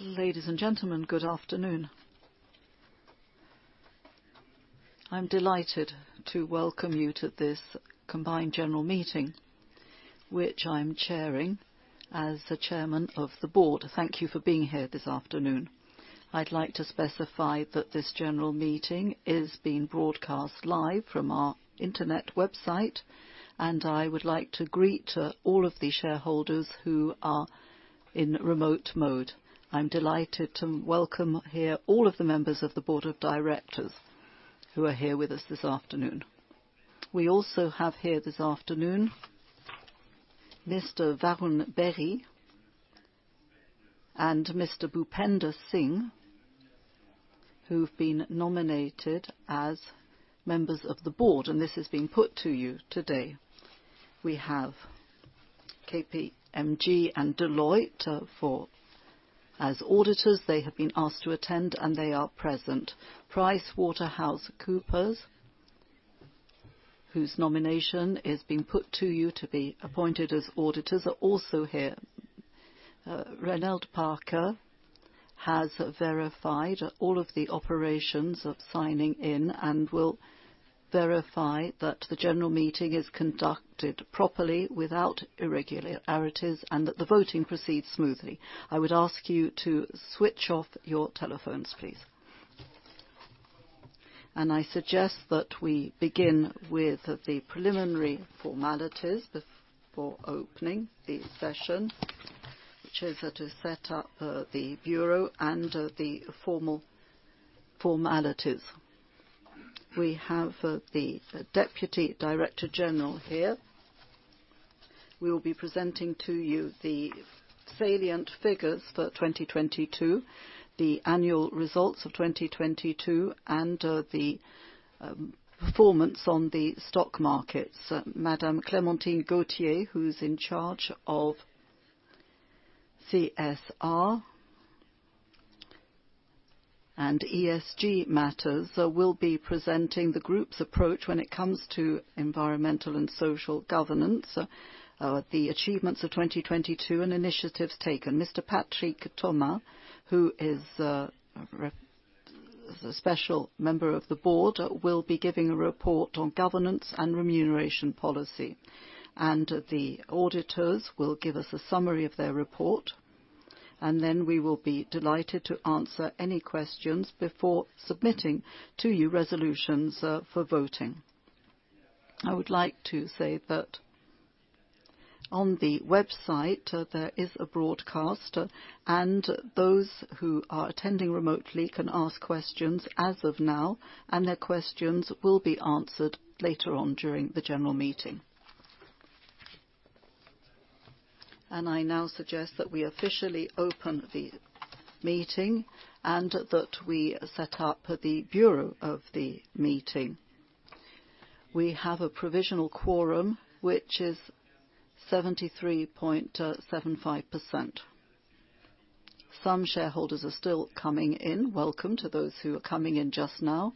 Ladies and gentlemen, good afternoon. I'm delighted to welcome you to this combined general meeting, which I'm chairing as the Chairman of the Board. Thank you for being here this afternoon. I'd like to specify that this general meeting is being broadcast live from our internet website. I would like to greet all of the shareholders who are in remote mode. I'm delighted to welcome here all of the members of the board of directors who are here with us this afternoon. We also have here this afternoon, Mr. Varun Berry and Mr. Bhupender Singh, who've been nominated as members of the board. This is being put to you today. We have KPMG and Deloitte as auditors. They have been asked to attend. They are present. PricewaterhouseCoopers, whose nomination is being put to you to be appointed as auditors, are also here. Ronald Parker has verified all of the operations of signing in and will verify that the general meeting is conducted properly without irregularities and that the voting proceeds smoothly. I would ask you to switch off your telephones, please. I suggest that we begin with the preliminary formalities before opening the session, which is to set up the bureau and the formal formalities. We have the Deputy Director General here. We will be presenting to you the salient figures for 2022, the annual results of 2022, and the performance on the stock markets. Madam Clémentine Gauthier, who's in charge of CSR and ESG matters, will be presenting the group's approach when it comes to environmental and social governance, the achievements of 2022, and initiatives taken. Mr. Patrick Thomas, who is a special member of the board, will be giving a report on governance and remuneration policy. The auditors will give us a summary of their report, and then we will be delighted to answer any questions before submitting to you resolutions for voting. I would like to say that on the website, there is a broadcast, and those who are attending remotely can ask questions as of now, and their questions will be answered later on during the general meeting. I now suggest that we officially open the meeting and that we set up the bureau of the meeting. We have a provisional quorum, which is 73.75%. Some shareholders are still coming in. Welcome to those who are coming in just now.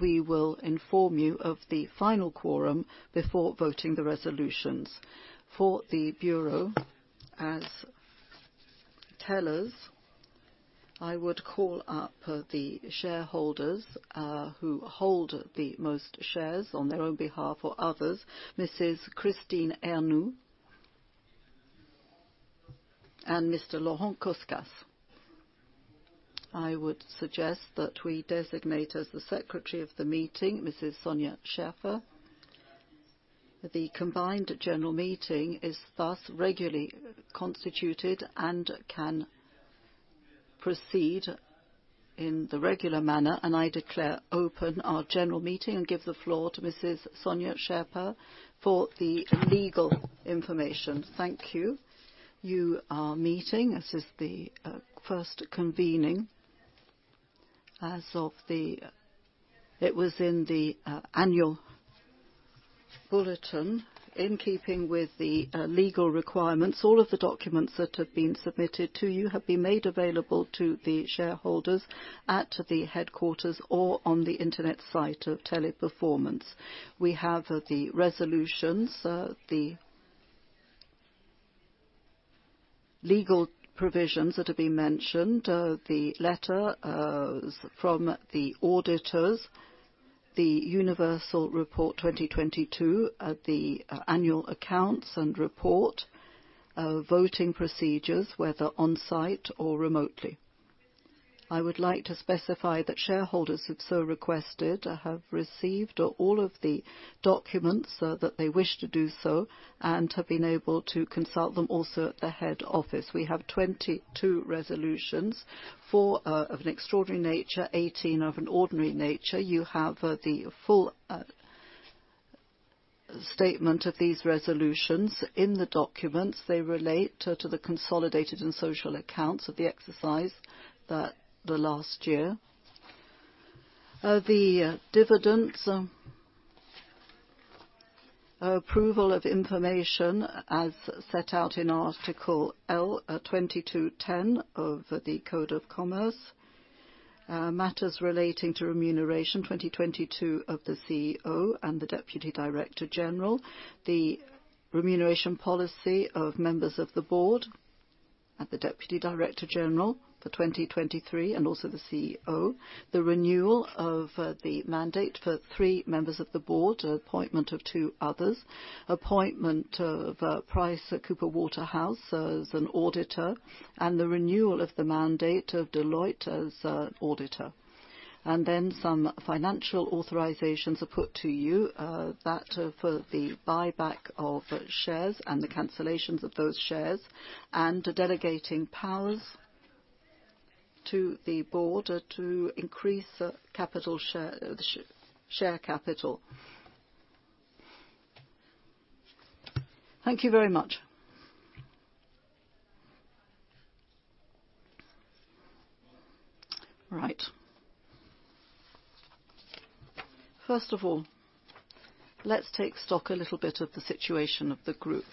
We will inform you of the final quorum before voting the resolutions. For the bureau, as tellers, I would call up the shareholders who hold the most shares on their own behalf or others, Mrs. Christine Ernoux and Mr. Laurent Koscas. I would suggest that we designate as the secretary of the meeting Mrs. Sonia Cheurfa The combined general meeting is thus regularly constituted and can proceed in the regular manner. I declare open our general meeting and give the floor to Mrs. Sonia Cheurfa for the legal information. Thank you. You are meeting. This is the first convening as of the. It was in the annual bulletin. In keeping with the legal requirements, all of the documents that have been submitted to you have been made available to the shareholders at the headquarters or on the internet site of Teleperformance. We have the resolutions, the legal provisions that have been mentioned, the letter from the auditors, the universal report 2022, the annual accounts and report, voting procedures, whether on-site or remotely. I would like to specify that shareholders who've so requested have received all of the documents that they wish to do so and have been able to consult them also at the head office. We have 22 resolutions, four of an extraordinary nature, 18 of an ordinary nature. You have the full statement of these resolutions in the documents. They relate to the consolidated and social accounts of the exercise that the last year. The dividends, Approval of information as set out in Article L2210 of the French Commercial Code. Matters relating to remuneration 2022 of the CEO and the Deputy Director General. The remuneration policy of members of the board and the Deputy Director General for 2023 and also the CEO. The renewal of the mandate for three members of the board, appointment of two others. Appointment of Pricewaterhouse as an auditor, the renewal of the mandate of Deloitte as auditor. Some financial authorizations are put to you, that for the buyback of shares and the cancellations of those shares, and delegating powers to the board to increase share capital. Thank you very much. Right. First of all, let's take stock a little bit of the situation of the group.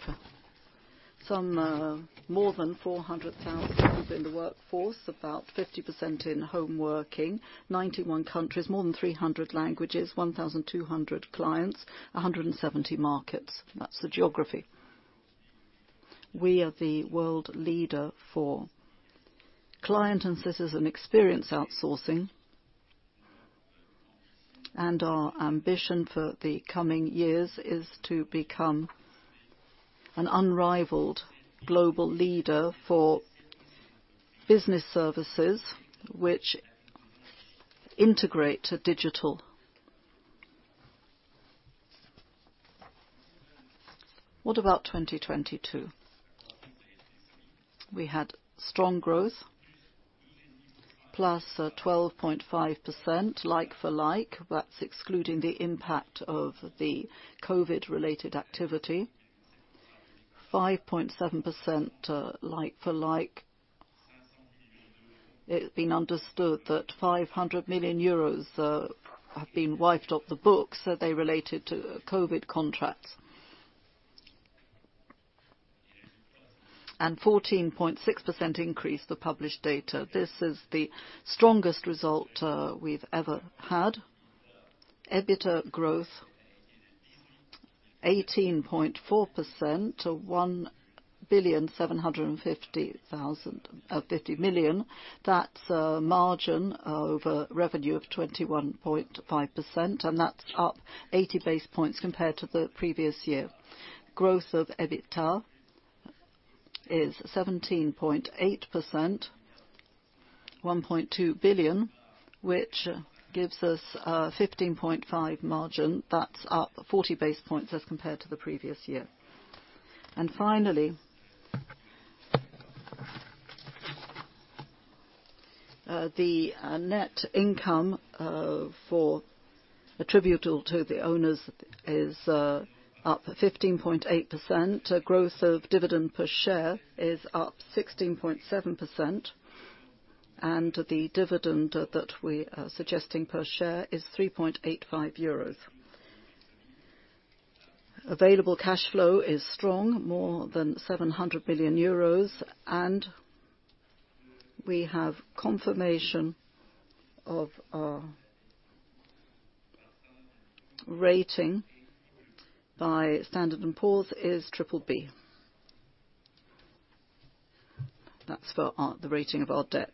Some, more than 400,000 people in the workforce, about 50% in home working, 91 countries, more than 300 languages, 1,200 clients, 170 markets. That's the geography. We are the world leader for client and citizen experience outsourcing. Our ambition for the coming years is to become an unrivaled global leader for business services which integrate to digital. What about 2022? We had strong growth, +12.5% like for like. That's excluding the impact of the COVID-related activity. 5.7% like for like. It's been understood that 500 million euros have been wiped off the books. They related to COVID contracts. 14.6% increase the published data. This is the strongest result, we've ever had. EBITDA growth 18.4% to 1.05 billion. That's a margin over revenue of 21.5%, and that's up 80 basis points compared to the previous year. Growth of EBITDA is 17.8%, 1.2 billion, which gives us a 15.5% margin. That's up 40 basis points as compared to the previous year. Finally, the net income, for attributable to the owners is up 15.8%. Growth of dividend per share is up 16.7%. The dividend that we are suggesting per share is 3.85 euros. Available cash flow is strong, more than 700 million euros. We have confirmation of our rating by Standard & Poor's is BBB. That's for the rating of our debt.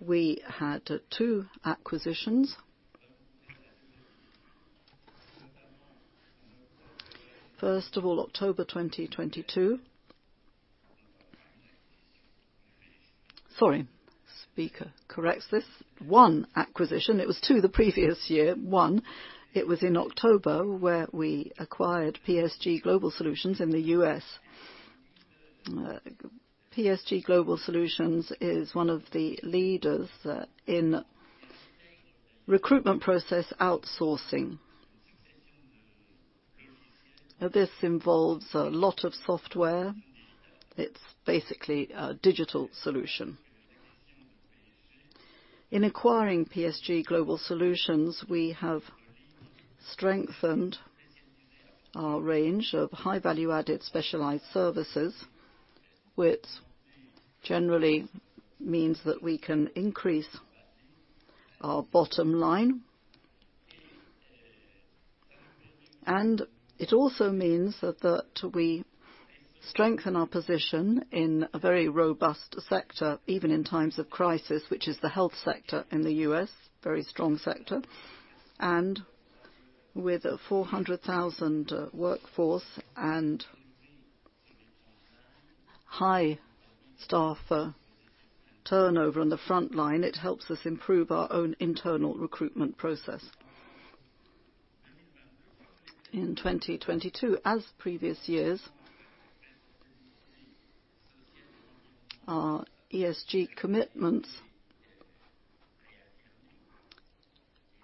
We had two acquisitions. First of all, October 2022. One acquisition. It was two the previous year. One, it was in October, where we acquired PSG Global Solutions in the U.S. PSG Global Solutions is one of the leaders in recruitment process outsourcing. This involves a lot of software. It's basically a digital solution. In acquiring PSG Global Solutions, we have strengthened our range of high-value added specialized services, which generally means that we can increase our bottom line. It also means that we strengthen our position in a very robust sector, even in times of crisis, which is the health sector in the U.S., very strong sector. With a 400,000 workforce and high staff turnover on the front line, it helps us improve our own internal recruitment process. In 2022, as previous years, our ESG commitments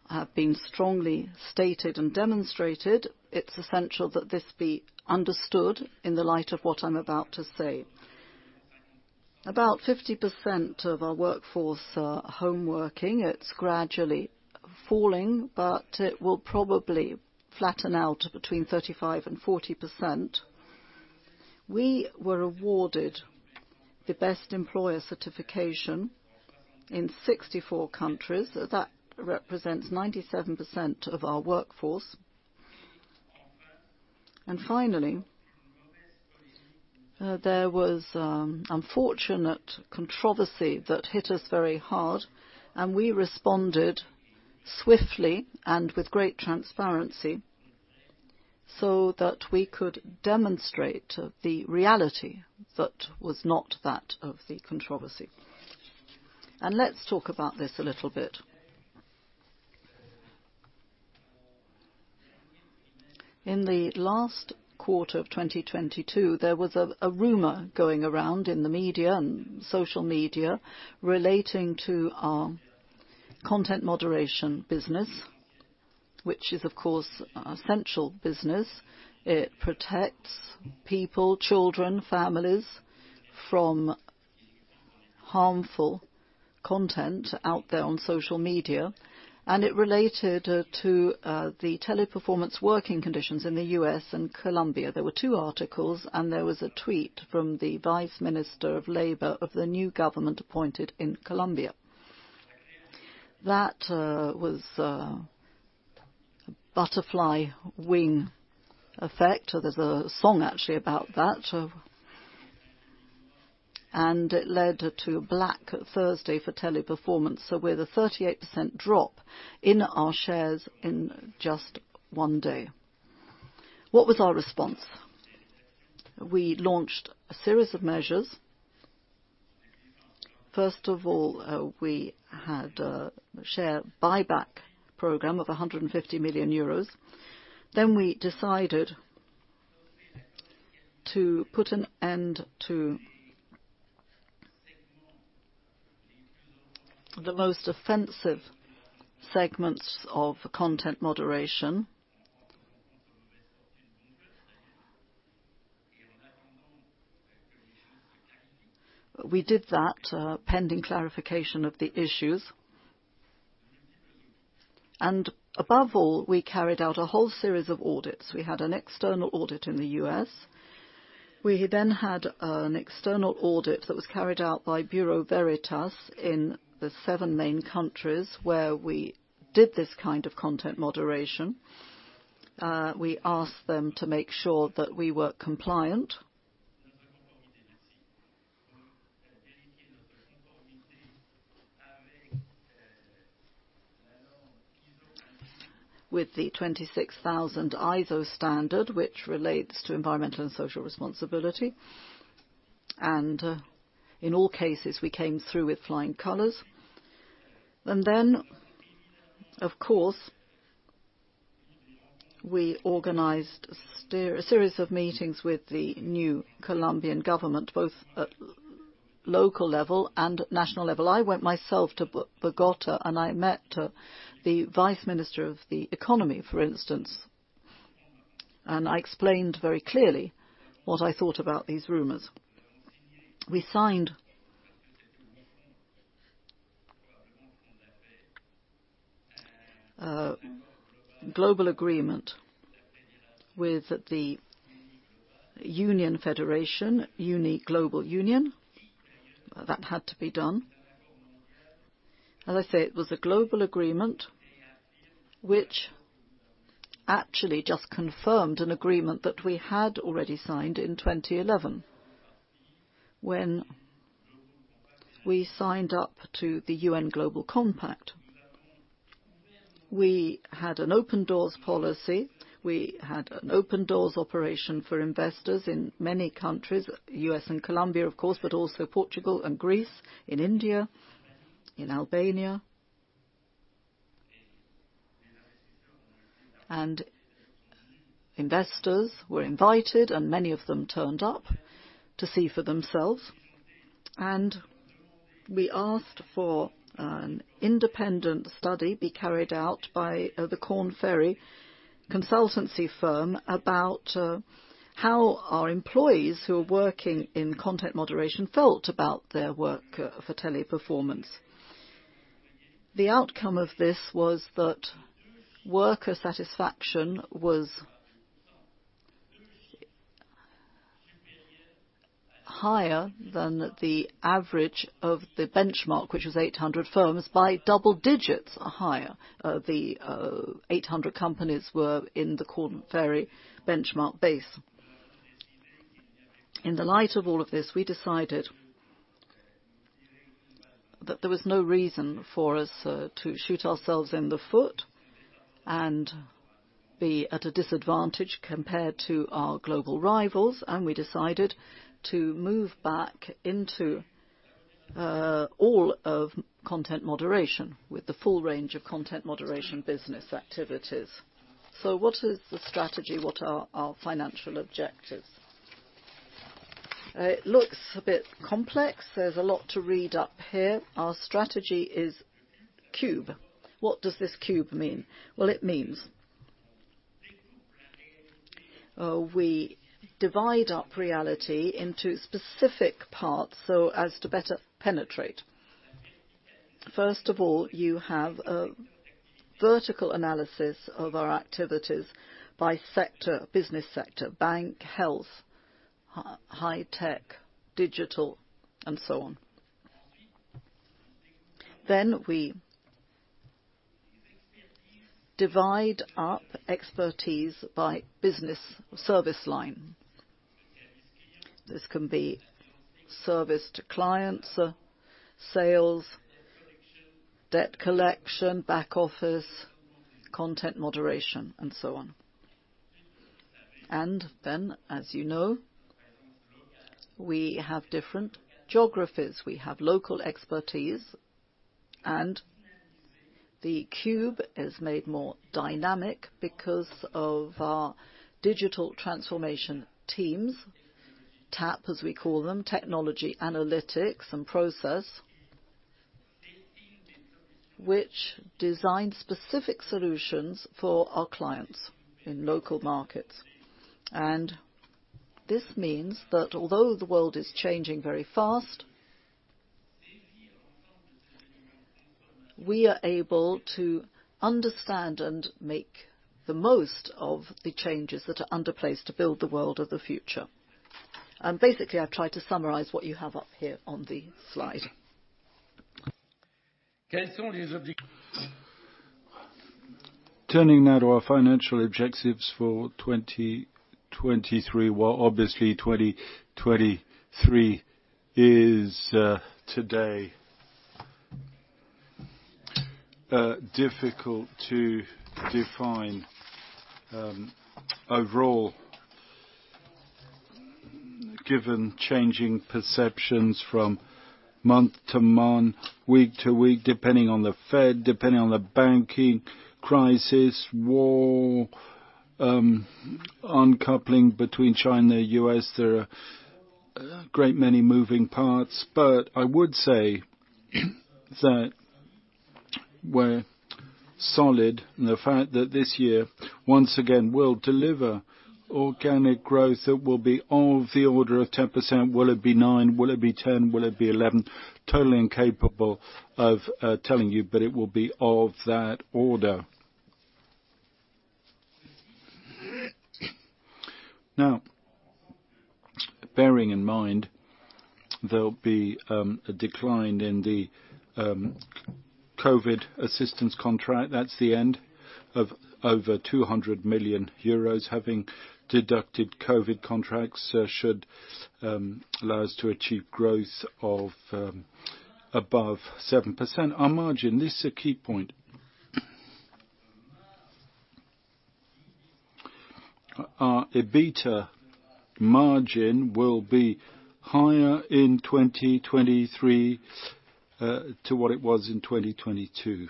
have been strongly stated and demonstrated. It's essential that this be understood in the light of what I'm about to say. About 50% of our workforce are home working. It's gradually falling, but it will probably flatten out to between 35% and 40%. We were awarded the Best Employer Certification in 64 countries. That represents 97% of our workforce. Finally, there was unfortunate controversy that hit us very hard, and we responded swiftly and with great transparency so that we could demonstrate the reality that was not that of the controversy. Let's talk about this a little bit. In the last quarter of 2022, there was a rumor going around in the media and social media relating to our content moderation business, which is, of course, a essential business. It protects people, children, families from harmful content out there on social media. It related to the Teleperformance working conditions in the U.S. and Colombia. There were two articles. There was a tweet from the Vice Minister of Labor of the new government appointed in Colombia. That was a butterfly wing effect. There's a song actually about that. It led to Black Thursday for Teleperformance, with a 38% drop in our shares in just one day. What was our response? We launched a series of measures. First of all, we had a share buyback program of 150 million euros. We decided to put an end to the most offensive segments of content moderation. We did that pending clarification of the issues. Above all, we carried out a whole series of audits. We had an external audit in the U.S. We then had an external audit that was carried out by Bureau Veritas in the seven main countries where we did this kind of content moderation. We asked them to make sure that we were compliant with the ISO 26000 standard, which relates to environmental and social responsibility. In all cases, we came through with flying colors. Then, of course, we organized a series of meetings with the new Colombian government, both at local level and national level. I went myself to Bogota and I met the Vice Minister of the Economy, for instance. I explained very clearly what I thought about these rumors. We signed a global agreement with the Union Federation, UNI Global Union. That had to be done. As I say, it was a global agreement which actually just confirmed an agreement that we had already signed in 2011 when we signed up to the UN Global Compact. We had an open doors policy. We had an open doors operation for investors in many countries, U.S. and Colombia, of course, but also Portugal and Greece, in India, in Albania. Investors were invited, and many of them turned up to see for themselves. We asked for an independent study be carried out by the Korn Ferry consultancy firm about how our employees who are working in content moderation felt about their work for Teleperformance. The outcome of this was that worker satisfaction was higher than the average of the Benchmark, which was 800 firms by double digits higher. The 800 companies were in the Korn Ferry Benchmark base. In the light of all of this, we decided that there was no reason for us, to shoot ourselves in the foot and be at a disadvantage compared to our global rivals. We decided to move back into, all of content moderation with the full range of content moderation business activities. What is the strategy? What are our financial objectives? It looks a bit complex. There's a lot to read up here. Our strategy is Cube. What does this Cube mean? Well, it means, we divide up reality into specific parts so as to better penetrate. First of all, you have a vertical analysis of our activities by sector, business sector: bank, health, high-tech, digital, and so on. We divide up expertise by business service line. This can be service to clients, sales, debt collection, back office, content moderation, and so on. As you know, we have different geographies. We have local expertise. The Cube is made more dynamic because of our digital transformation teams, TAP, as we call them, technology, analytics, and process, which design specific solutions for our clients in local markets. This means that although the world is changing very fast, we are able to understand and make the most of the changes that are under place to build the world of the future. Basically, I've tried to summarize what you have up here on the slide. Turning now to our financial objectives for 2023. Well, obviously, 2023 is today difficult to define overall, given changing perceptions from month to month, week to week, depending on the Fed, depending on the banking crisis, war, uncoupling between China and the U.S.. There are a great many moving parts. I would say that we're solid in the fact that this year, once again, we'll deliver organic growth that will be of the order of 10%. Will it be 9%? Will it be 10%? Will it be 11%? Totally incapable of telling you. It will be of that order. Bearing in mind there'll be a decline in the COVID assistance contract. That's the end of over 200 million euros. Having deducted COVID contracts, should allow us to achieve growth of above 7%. Our margin. This is a key point. Our EBITDA margin will be higher in 2023, to what it was in 2022.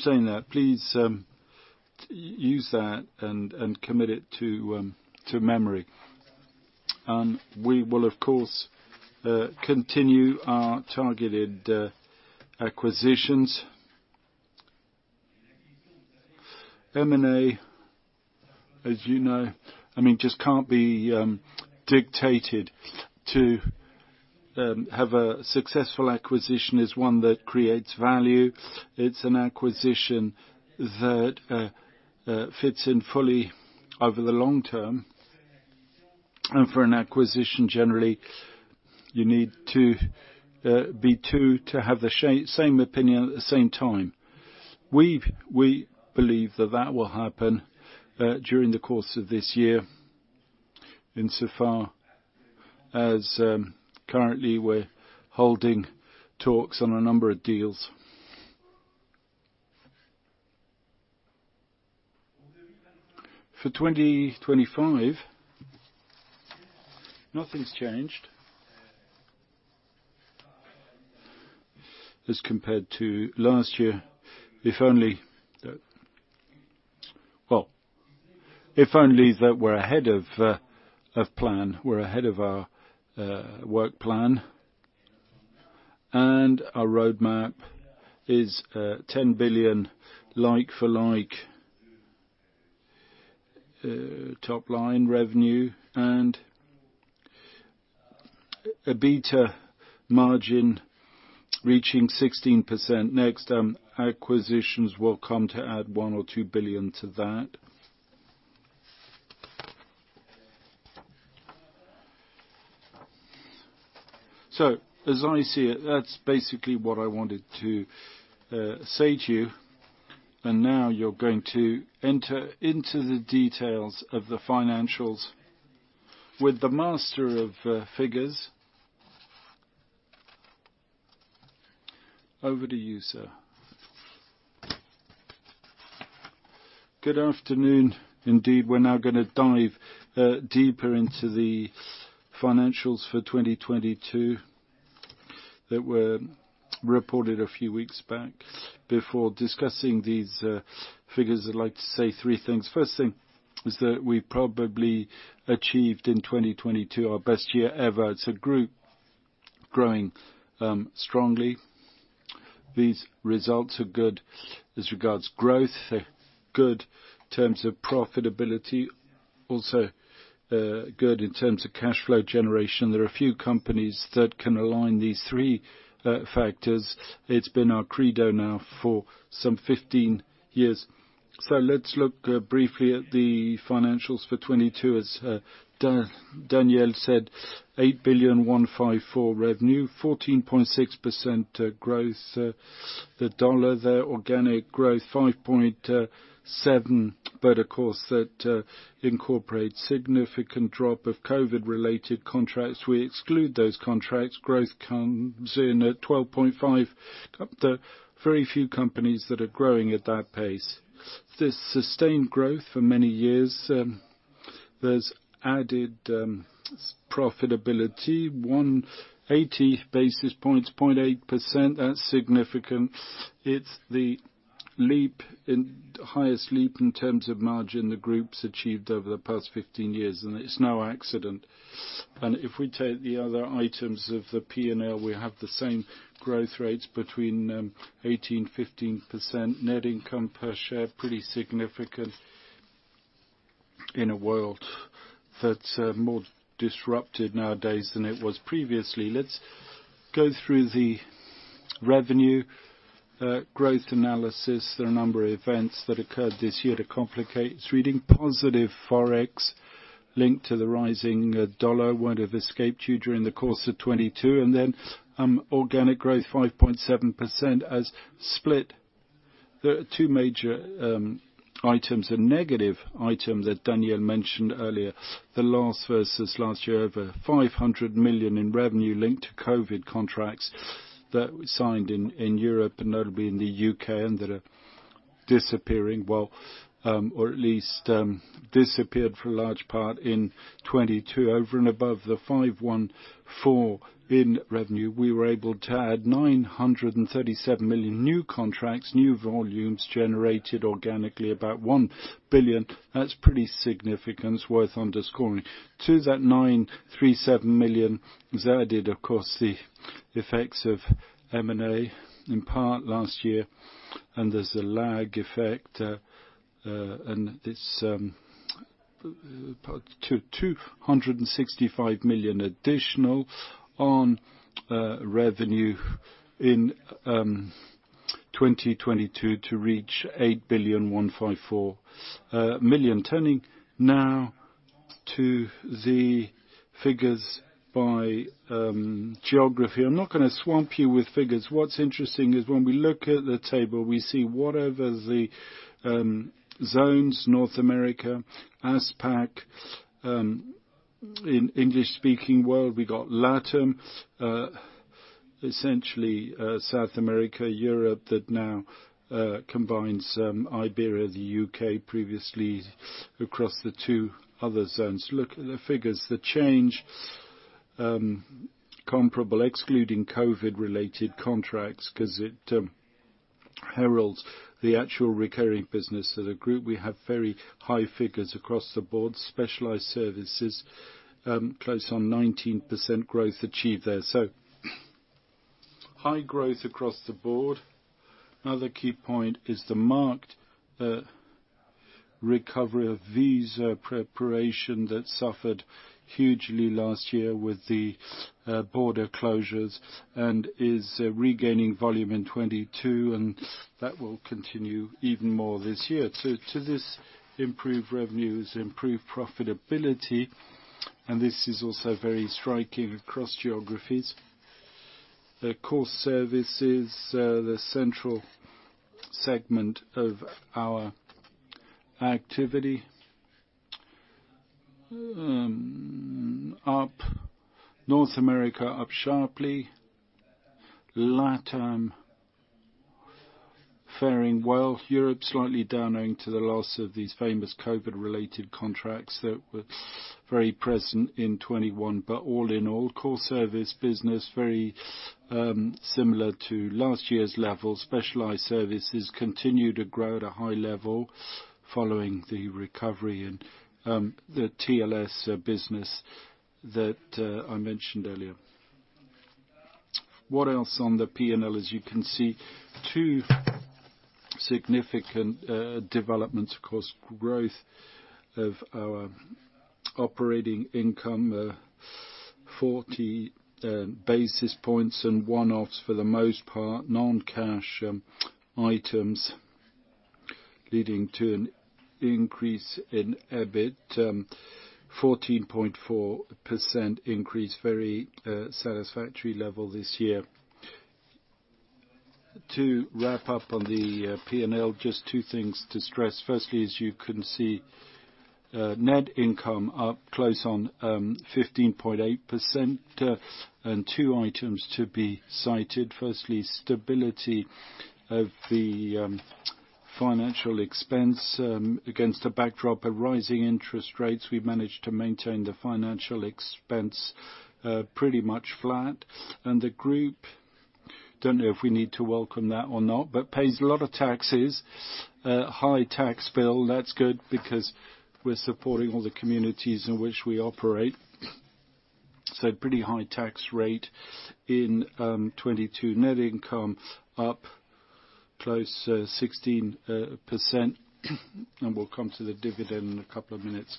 Saying that, please, use that and commit it to memory. We will, of course, continue our targeted acquisitions. M&A, as you know, I mean, just can't be dictated. To have a successful acquisition is one that creates value. It's an acquisition that fits in fully over the long term. For an acquisition, generally, you need to be two to have the same opinion at the same time. We believe that that will happen during the course of this year, insofar as currently, we're holding talks on a number of deals. For 2025, nothing's changed as compared to last year. If only. Well, if only that we're ahead of plan, we're ahead of our work plan, our roadmap is 10 billion like for like top-line revenue and EBITDA margin reaching 16% next. Acquisitions will come to add 1 billion or 2 billion to that. As I see it, that's basically what I wanted to say to you. Now you're going to enter into the details of the financials with the master of figures. Over to you, sir. Good afternoon. Indeed, we're now gonna dive deeper into the financials for 2022 that were reported a few weeks back. Before discussing these figures, I'd like to say three things. First thing is that we probably achieved in 2022 our best year ever. It's a group growing strongly. These results are good as regards growth, good in terms of profitability, also good in terms of cash flow generation. There are a few companies that can align these three factors. It's been our credo now for some 15 years. Let's look briefly at the financials for 2022. As Daniel said, EUR 8.154 billion revenue, 14.6% growth. The dollar there, organic growth, 5.7%, but of course that incorporates significant drop of COVID-related contracts. We exclude those contracts. Growth comes in at 12.5%. Very few companies that are growing at that pace. This sustained growth for many years, there's added profitability, 180 basis points, 0.8%. That's significant. It's the highest leap in terms of margin the groups achieved over the past 15 years, and it's no accident. If we take the other items of the P&L, we have the same growth rates between 18%, 15%. Net income per share, pretty significant in a world that's more disrupted nowadays than it was previously. Let's go through the revenue growth analysis. There are a number of events that occurred this year to complicate reading. Positive Forex linked to the rising dollar wouldn't have escaped you during the course of 2022. Organic growth, 5.7%, as split. There are two major items, a negative item that Daniel mentioned earlier. The loss versus last year, over $500 million in revenue linked to COVID contracts that were signed in Europe and notably in the U.K. and that are disappearing, well, or at least disappeared for a large part in 2022. Over and above the 514 in revenue, we were able to add 937 million new contracts, new volumes generated organically, about 1 billion. That's pretty significant. It's worth underscoring. To that 937 million, as I added, of course, the effects of M&A in part last year, and there's a lag effect, and it's 265 million additional on revenue in 2022 to reach 8.154 billion. Turning now to the figures by geography. I'm not gonna swamp you with figures. What's interesting is when we look at the table, we see whatever the zones, North America, APAC, in English-speaking world, we got LATAM, essentially South America, Europe, that now combines Iberia, the U.K. previously across the two other zones. Look at the figures, the change, comparable, excluding COVID-related contracts because it heralds the actual recurring business. As a group, we have very high figures across the board. Specialized services, close on 19% growth achieved there. High growth across the board. Another key point is the marked recovery of visa preparation that suffered hugely last year with the border closures and is regaining volume in 22, and that will continue even more this year. To this improved revenues, improved profitability, and this is also very striking across geographies. The core services, the central segment of our activity. Up North America, up sharply. LATAM faring well. Europe slightly down owing to the loss of these famous COVID-related contracts that were very present in 21. All in all, core service business, very similar to last year's level. Specialized services continue to grow at a high level following the recovery in the TLScontact business that I mentioned earlier. What else on the P&L? As you can see, two significant developments, of course, growth of our operating income, 40 basis points and one-offs for the most part, non-cash items leading to an increase in EBIT, 14.4% increase, very satisfactory level this year. To wrap up on the P&L, just two things to stress. Firstly, as you can see, net income up close on 15.8% and two items to be cited. Firstly, stability of the financial expense against a backdrop of rising interest rates. We managed to maintain the financial expense pretty much flat. The group, don't know if we need to welcome that or not, but pays a lot of taxes, high tax bill. That's good because we're supporting all the communities in which we operate. Pretty high tax rate in 2022. Net income up close 16%. We'll come to the dividend in a couple of minutes.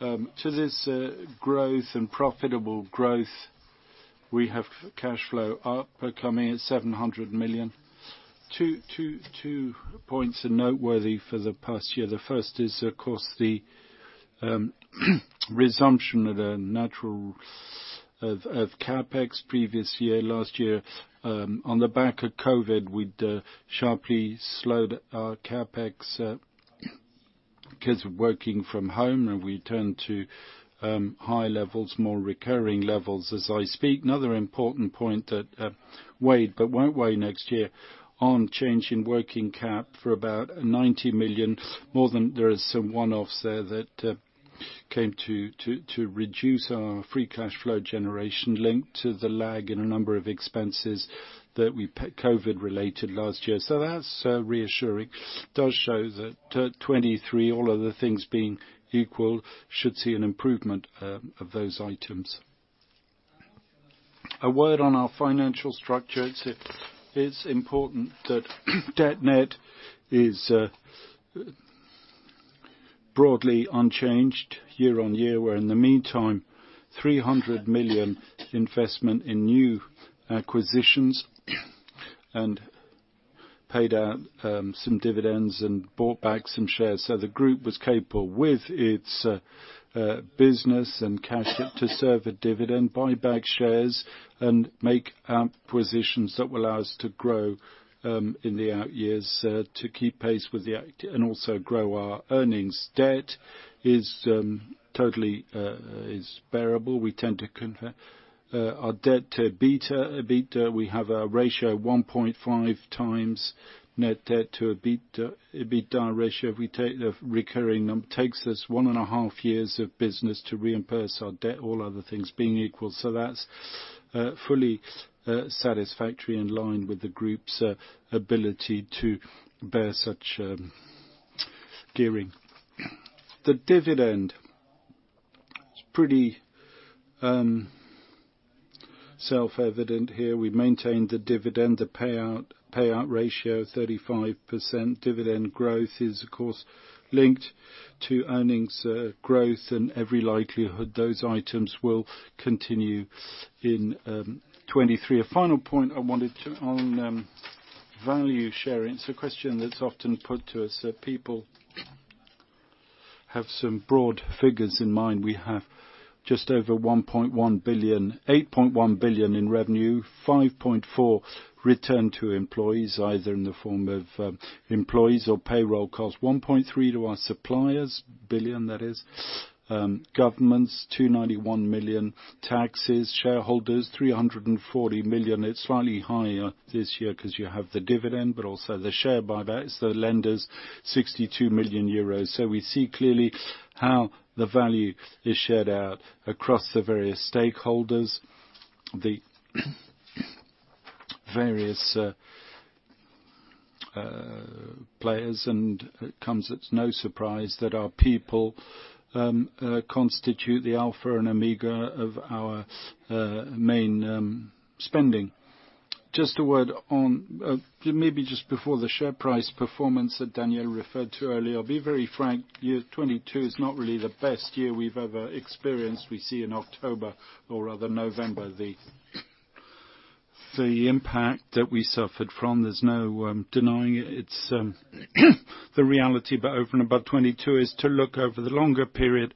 To this growth and profitable growth, we have cash flow up coming at 700 million. Two points are noteworthy for the past year. The first is, of course, the resumption of the natural of CapEx previous year. Last year, on the back of COVID, we'd sharply slowed our CapEx because of working from home, and we turned to high levels, more recurring levels as I speak. Another important point that weighed but won't weigh next year on change in working cap for about 90 million, more than there is some one-offs there that came to reduce our free cash flow generation linked to the lag in a number of expenses that COVID-related last year. That's reassuring. Does show that 2023, all other things being equal, should see an improvement of those items. A word on our financial structure. It's important that debt net is broadly unchanged year on year, where in the meantime, 300 million investment in new acquisitions and paid out some dividends and bought back some shares. The group was capable with its business and cash to serve a dividend, buy back shares, and make acquisitions that will allow us to grow in the out years to keep pace with and also grow our earnings. Debt is totally bearable. We tend to our debt to EBITDA. We have a ratio 1.5x net debt to EBITDA ratio. If we take the recurring takes us 1.5 years of business to reimburse our debt, all other things being equal. That's fully satisfactory in line with the group's ability to bear such gearing. The dividend is pretty self-evident here. We've maintained the dividend, the payout ratio 35%. Dividend growth is, of course, linked to earnings growth and every likelihood those items will continue in 2023. A final point I wanted on value sharing. It's a question that's often put to us, people have some broad figures in mind. We have just over 8.1 billion in revenue, 5.4 billion returned to employees, either in the form of employees or payroll costs. 1.3 billion to our suppliers, that is. Governments, 291 million. Taxes, shareholders, 340 million. It's slightly higher this year 'cause you have the dividend, but also the share buybacks. The lenders, 62 million euros. We see clearly how the value is shared out across the various stakeholders, the various players. It comes as no surprise that our people constitute the alpha and omega of our main spending. Just a word on maybe just before the share price performance that Daniel referred to earlier. I'll be very frank, year 2022 is not really the best year we've ever experienced. We see in October or rather November, the impact that we suffered from. There's no denying it. It's the reality, but open about 2022 is to look over the longer period.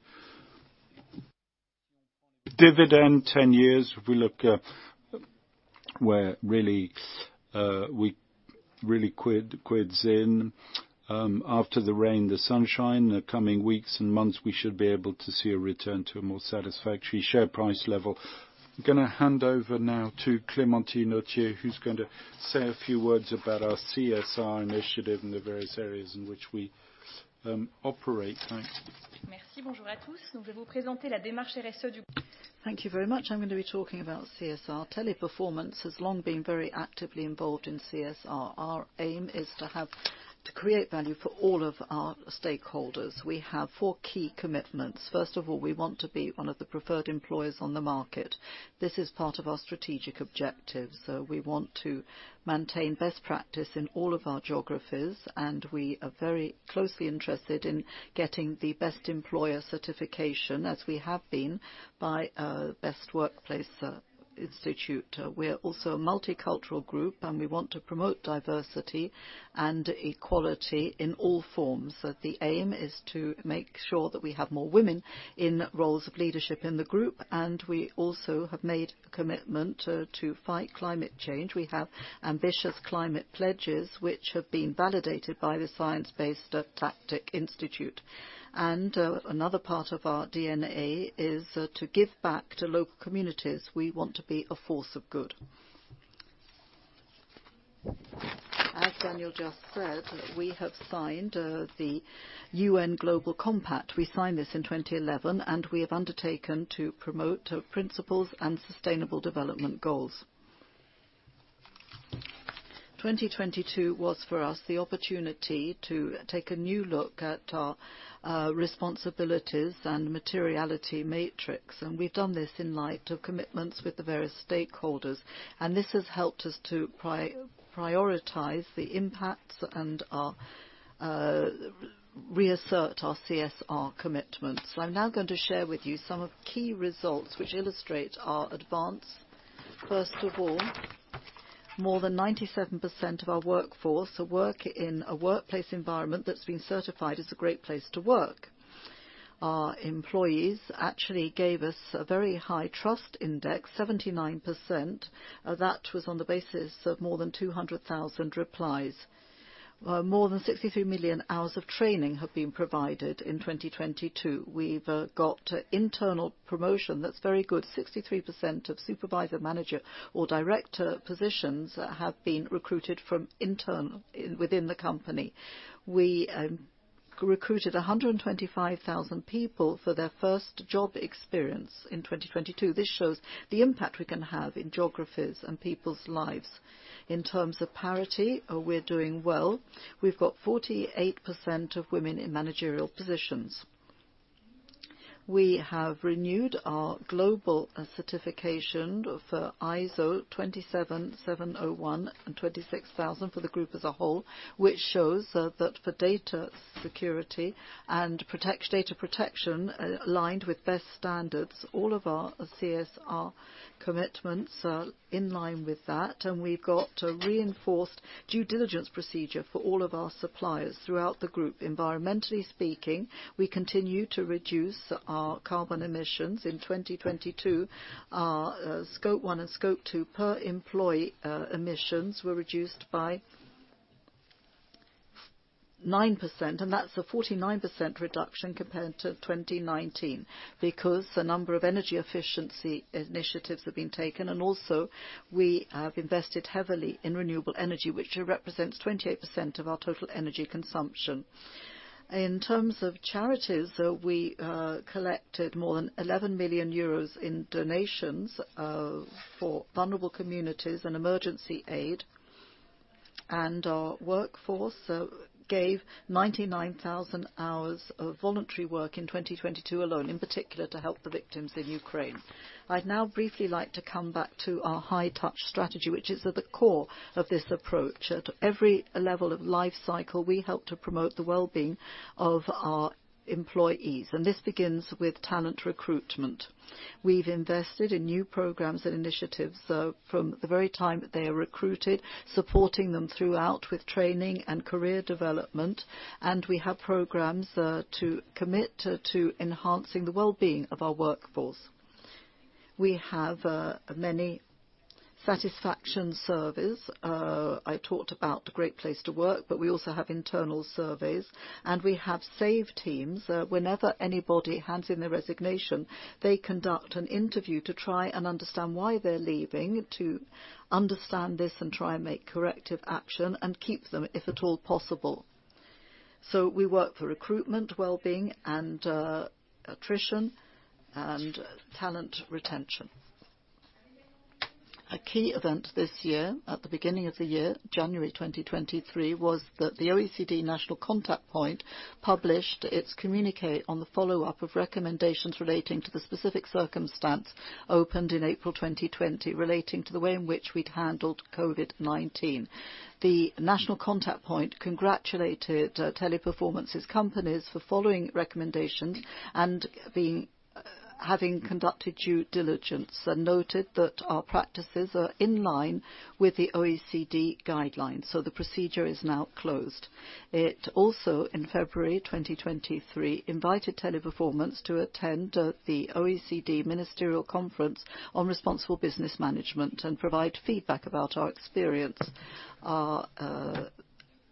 Dividend, 10 years, if we look where really we really quids in. After the rain, the sunshine. The coming weeks and months, we should be able to see a return to a more satisfactory share price level. I'm gonna hand over now to Clémentine Gauthier-Medina, who's going to say a few words about our CSR initiative in the various areas in which we operate. Thanks. Thank you very much. I'm going to be talking about CSR. Teleperformance has long been very actively involved in CSR. Our aim is to create value for all of our stakeholders. We have four key commitments. First of all, we want to be one of the preferred employers on the market. This is part of our strategic objectives. We want to maintain best practice in all of our geographies, and we are very closely interested in getting the best employer certification, as we have been, by Best Workplace Institute. We're also a multicultural group, and we want to promote diversity and equality in all forms. The aim is to make sure that we have more women in roles of leadership in the group, and we also have made a commitment to fight climate change. We have ambitious climate pledges which have been validated by the science-based Tactic Institute. Another part of our DNA is to give back to local communities. We want to be a force of good. As Daniel just said, we have signed the UN Global Compact. We signed this in 2011. We have undertaken to promote principles and sustainable development goals. 2022 was for us the opportunity to take a new look at our responsibilities and materiality matrix. We've done this in light of commitments with the various stakeholders. This has helped us to prioritize the impacts and reassert our CSR commitments. I'm now going to share with you some of key results which illustrate our advance. First of all, more than 97% of our workforce work in a workplace environment that's been certified as a great place to work. Our employees actually gave us a very high trust index, 79%. That was on the basis of more than 200,000 replies. More than 63 million hours of training have been provided in 2022. We've got internal promotion that's very good. 63% of supervisor, manager, or director positions have been recruited from internal, within the company. We recruited 125,000 people for their first job experience in 2022. This shows the impact we can have in geographies and people's lives. In terms of parity, we're doing well. We've got 48% of women in managerial positions. We have renewed our global certification for ISO 27701 and ISO 26000 for the group as a whole, which shows that for data security and data protection aligned with best standards, all of our CSR commitments are in line with that, we've got a reinforced due diligence procedure for all of our suppliers throughout the group. Environmentally speaking, we continue to reduce our carbon emissions. In 2022, our Scope one and Scope two per employee emissions were reduced by 9%, that's a 49% reduction compared to 2019 because a number of energy efficiency initiatives have been taken. Also, we have invested heavily in renewable energy, which represents 28% of our total energy consumption. In terms of charities, we collected more than 11 million euros in donations for vulnerable communities and emergency aid. Our workforce gave 99,000 hours of voluntary work in 2022 alone, in particular to help the victims in Ukraine. I'd now briefly like to come back to our high touch strategy, which is at the core of this approach. At every level of life cycle, we help to promote the well-being of our employees, and this begins with talent recruitment. We've invested in new programs and initiatives, from the very time that they are recruited, supporting them throughout with training and career development, and we have programs to commit to enhancing the well-being of our workforce. We have many satisfaction surveys. I talked about the great place to work, but we also have internal surveys, and we have save teams. Whenever anybody hands in their resignation, they conduct an interview to try and understand why they're leaving, to understand this and try and make corrective action and keep them if at all possible. We work for recruitment, well-being, and attrition and talent retention. A key event this year, at the beginning of the year, January 2023, was that the OECD National Contact Point published its communique on the follow-up of recommendations relating to the specific circumstance opened in April 2020 relating to the way in which we'd handled COVID-19. The National Contact Point congratulated Teleperformance's companies for following recommendations and having conducted due diligence, and noted that our practices are in line with the OECD guidelines, the procedure is now closed. It also, in February 2023, invited Teleperformance to attend the OECD Ministerial Conference on Responsible Business Management and provide feedback about our experience. Our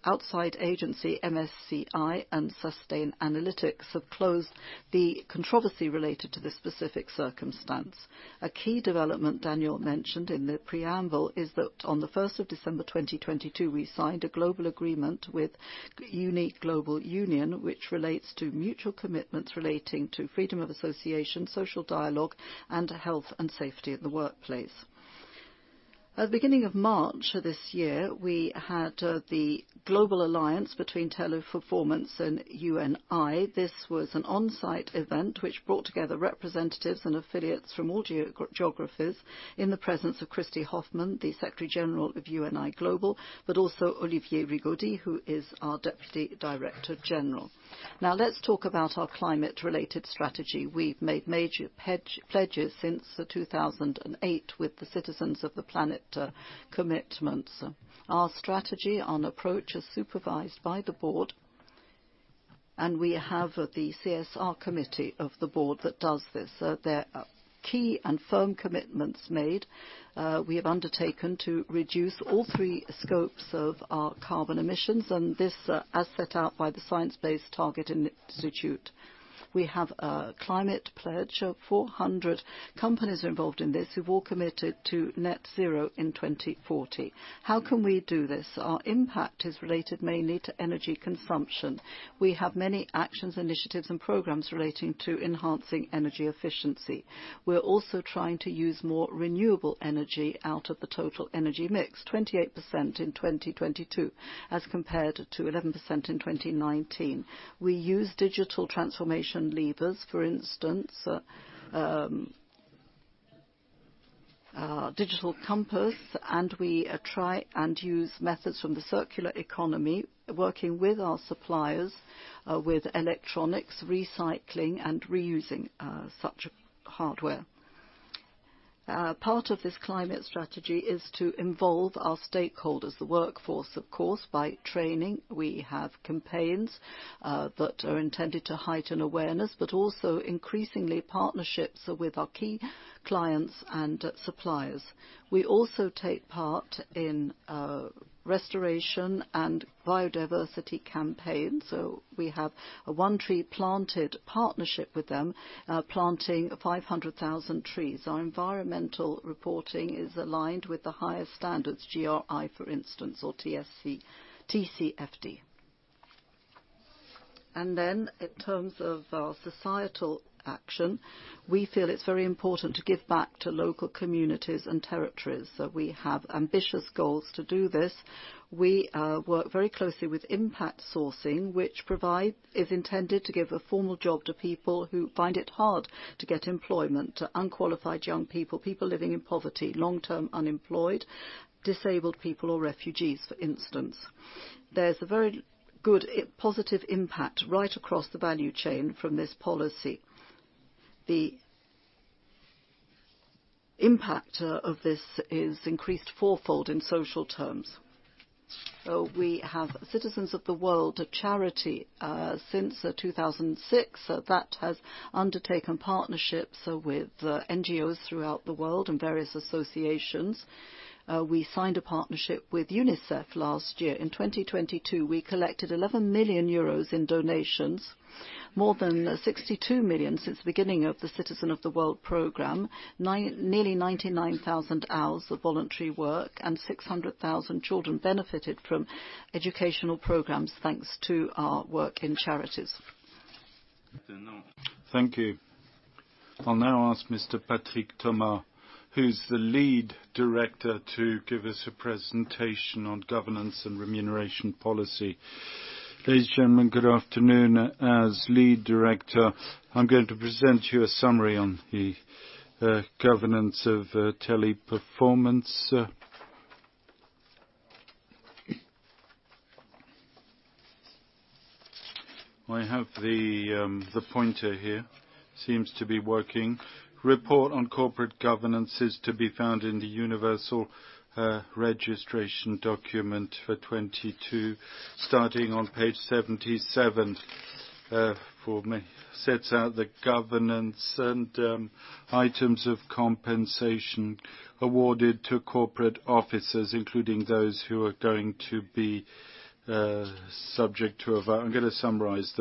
outside agency, MSCI and Sustainalytics, have closed the controversy related to this specific circumstance. A key development Daniel mentioned in the preamble is that on the 1st of December 2022, we signed a global agreement with UNI Global Union, which relates to mutual commitments relating to freedom of association, social dialogue, and health and safety at the workplace. At the beginning of March this year, we had the global alliance between Teleperformance and UNI. This was an on-site event which brought together representatives and affiliates from all geographies in the presence of Christy Hoffman, the General Secretary of UNI Global Union, but also Olivier Rigaudy, who is our Deputy Director General. Let's talk about our climate-related strategy. We've made major pledges since the 2008 with the Citizen of the Planet commitments. Our strategy and approach is supervised by the board, and we have the CSR committee of the board that does this. There are key and firm commitments made. We have undertaken to reduce all three scopes of our carbon emissions, and this, as set out by the Science Based Targets initiative. We have a climate pledge of 400 companies involved in this, who've all committed to net zero in 2040. How can we do this? Our impact is related mainly to energy consumption. We have many actions, initiatives, and programs relating to enhancing energy efficiency. We're also trying to use more renewable energy out of the total energy mix, 28% in 2022, as compared to 11% in 2019. We use digital transformation levers. For instance, digital compass, and we try and use methods from the circular economy, working with our suppliers, with electronics, recycling and reusing, such hardware. Part of this climate strategy is to involve our stakeholders, the workforce, of course, by training. We have campaigns that are intended to heighten awareness, but also increasingly partnerships with our key clients and suppliers. We also take part in restoration and biodiversity campaigns, so we have a One Tree Planted partnership with them, planting 500,000 trees. Our environmental reporting is aligned with the highest standards, GRI, for instance, or TCFD. In terms of societal action, we feel it's very important to give back to local communities and territories, so we have ambitious goals to do this. We work very closely with impact sourcing, which provide. Is intended to give a formal job to people who find it hard to get employment: unqualified young people living in poverty, long-term unemployed, disabled people or refugees, for instance. There's a very good positive impact right across the value chain from this policy. The impact of this is increased fourfold in social terms. We have Citizen of the World, a charity, since 2006, that has undertaken partnerships with NGOs throughout the world and various associations. We signed a partnership with UNICEF last year. In 2022, we collected 11 million euros in donations. More than 62 million since the beginning of the Citizen of the World program. Nearly 99,000 hours of voluntary work and 600,000 children benefited from educational programs, thanks to our work in charities. Thank you. I'll now ask Mr. Patrick Thomas, who's the Lead Director, to give us a presentation on governance and remuneration policy. Ladies and gentlemen, good afternoon. As Lead Director, I'm going to present you a summary on the governance of Teleperformance. I have the pointer here. Seems to be working. Report on corporate governance is to be found in the universal registration document for 2022, starting on page 77 for me. Sets out the governance and items of compensation awarded to corporate officers, including those who are going to be subject to a. I'm gonna summarize.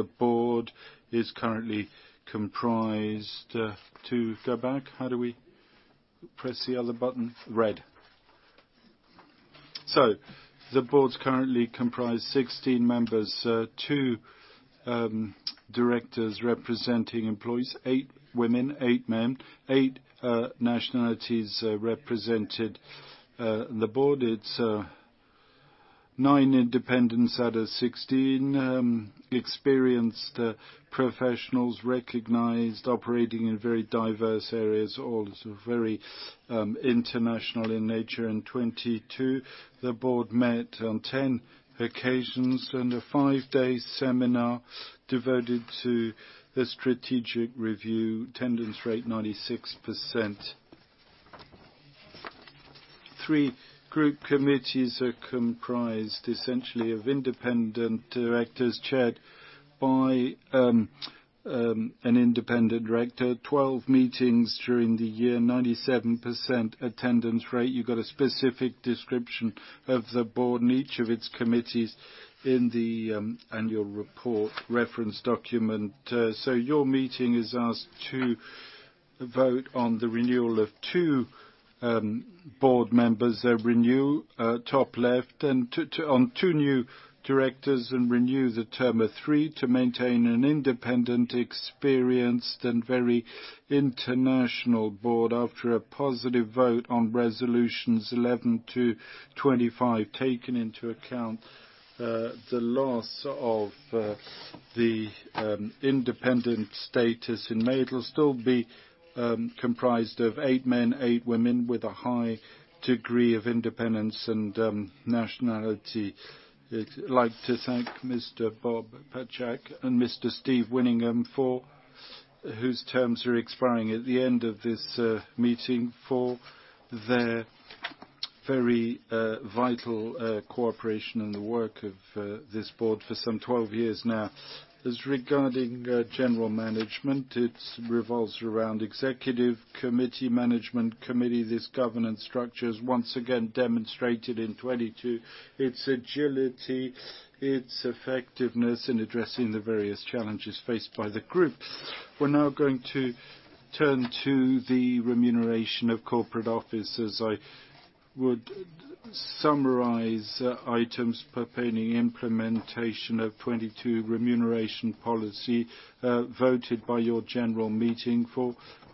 To go back, how do we... Press the other button? Red. The board's currently comprised 16 members, two directors representing employees, eight women, eight men, eight nationalities represented. The board, nine independents out of 16, experienced professionals recognized operating in very diverse areas, all sort of very international in nature. In 2022, the board met on 10 occasions, a five-day seminar devoted to the strategic review. Attendance rate, 96%. Three group committees are comprised essentially of independent directors, chaired by an independent director. 12 meetings during the year, 97% attendance rate. You got a specific description of the board and each of its committees in the annual report reference document. Your meeting is asked to vote on the renewal of two board members, renew top left and to. On two new directors and renew the term of three to maintain an independent, experienced and very international board after a positive vote on resolutions 11 to 25, taking into account the loss of the independent status in May. It'll still be comprised of eight men, eight women with a high degree of independence and nationality. I'd like to thank Mr. Robert Paszczak and Mr. Stephen Winningham whose terms are expiring at the end of this meeting, for their very vital cooperation and the work of this board for some 12 years now. Regarding general management, it revolves around executive committee, management committee. This governance structure has once again demonstrated in 2022 its agility. Its effectiveness in addressing the various challenges faced by the group. We're now going to turn to the remuneration of corporate officers. I would summarize items pertaining implementation of 2022 remuneration policy, voted by your general meeting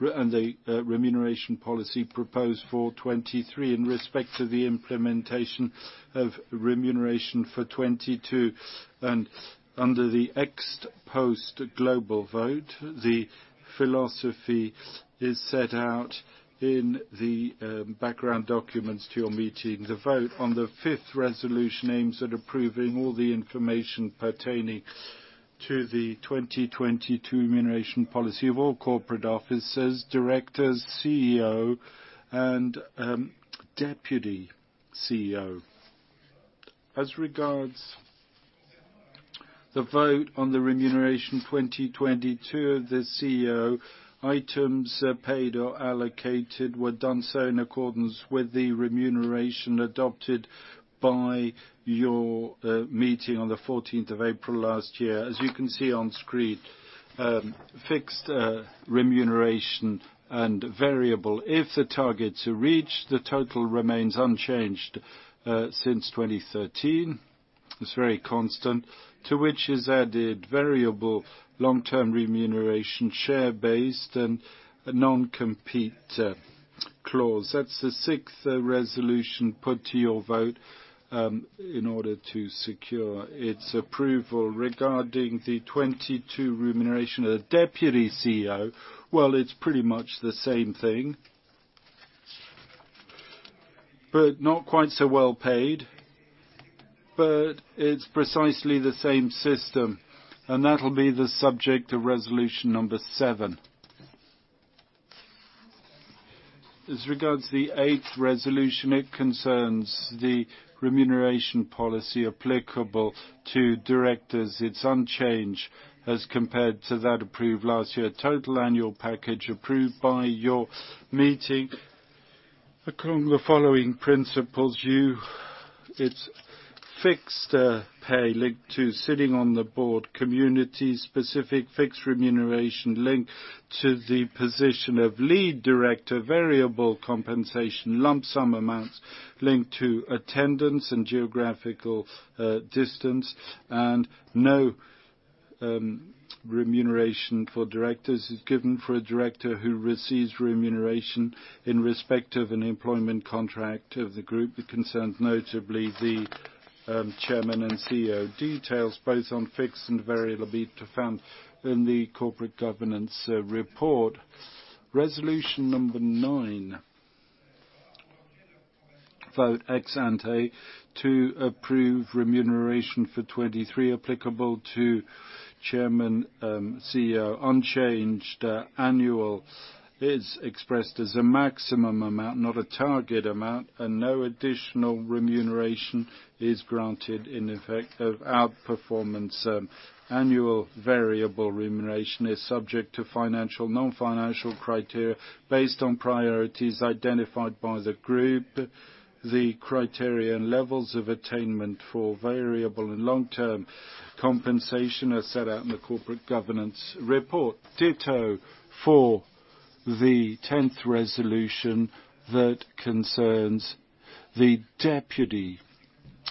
and a remuneration policy proposed for 2023 in respect to the implementation of remuneration for 2022. Under the ex-post global vote, the philosophy is set out in the background documents to your meeting. The vote on the fifth resolution aims at approving all the information pertaining to the 2022 remuneration policy of all corporate officers, directors, CEO and deputy CEO. As regards the vote on the remuneration 2022, the CEO items paid or allocated were done so in accordance with the remuneration adopted by your meeting on the 14th of April last year. As you can see on screen, fixed remuneration and variable if the targets are reached, the total remains unchanged since 2013. It's very constant, to which is added variable long-term remuneration, share-based and a non-compete clause. That's the sixth resolution put to your vote in order to secure its approval. Regarding the 2022 remuneration of the deputy CEO, it's pretty much the same thing. Not quite so well-paid, but it's precisely the same system, and that'll be the subject of resolution number seven. As regards to the eighth resolution, it concerns the remuneration policy applicable to directors. It's unchanged as compared to that approved last year. Total annual package approved by your meeting according the following principles. You. It's fixed, pay linked to sitting on the board, community-specific fixed remuneration linked to the position of lead director, variable compensation, lump sum amounts linked to attendance and geographical distance, no remuneration for directors is given for a director who receives remuneration in respect of an employment contract of the group that concerns notably the Chairman and CEO. Details both on fixed and variable are be to found in the corporate governance report. Resolution number nine. Vote ex-ante to approve remuneration for 2023 applicable to Chairman, CEO. Unchanged annual is expressed as a maximum amount, not a target amount, no additional remuneration is granted in effect of outperformance. Annual variable remuneration is subject to financial, non-financial criteria based on priorities identified by the group. The criterion levels of attainment for variable and long-term compensation are set out in the corporate governance report. Ditto for the 10th resolution that concerns the deputy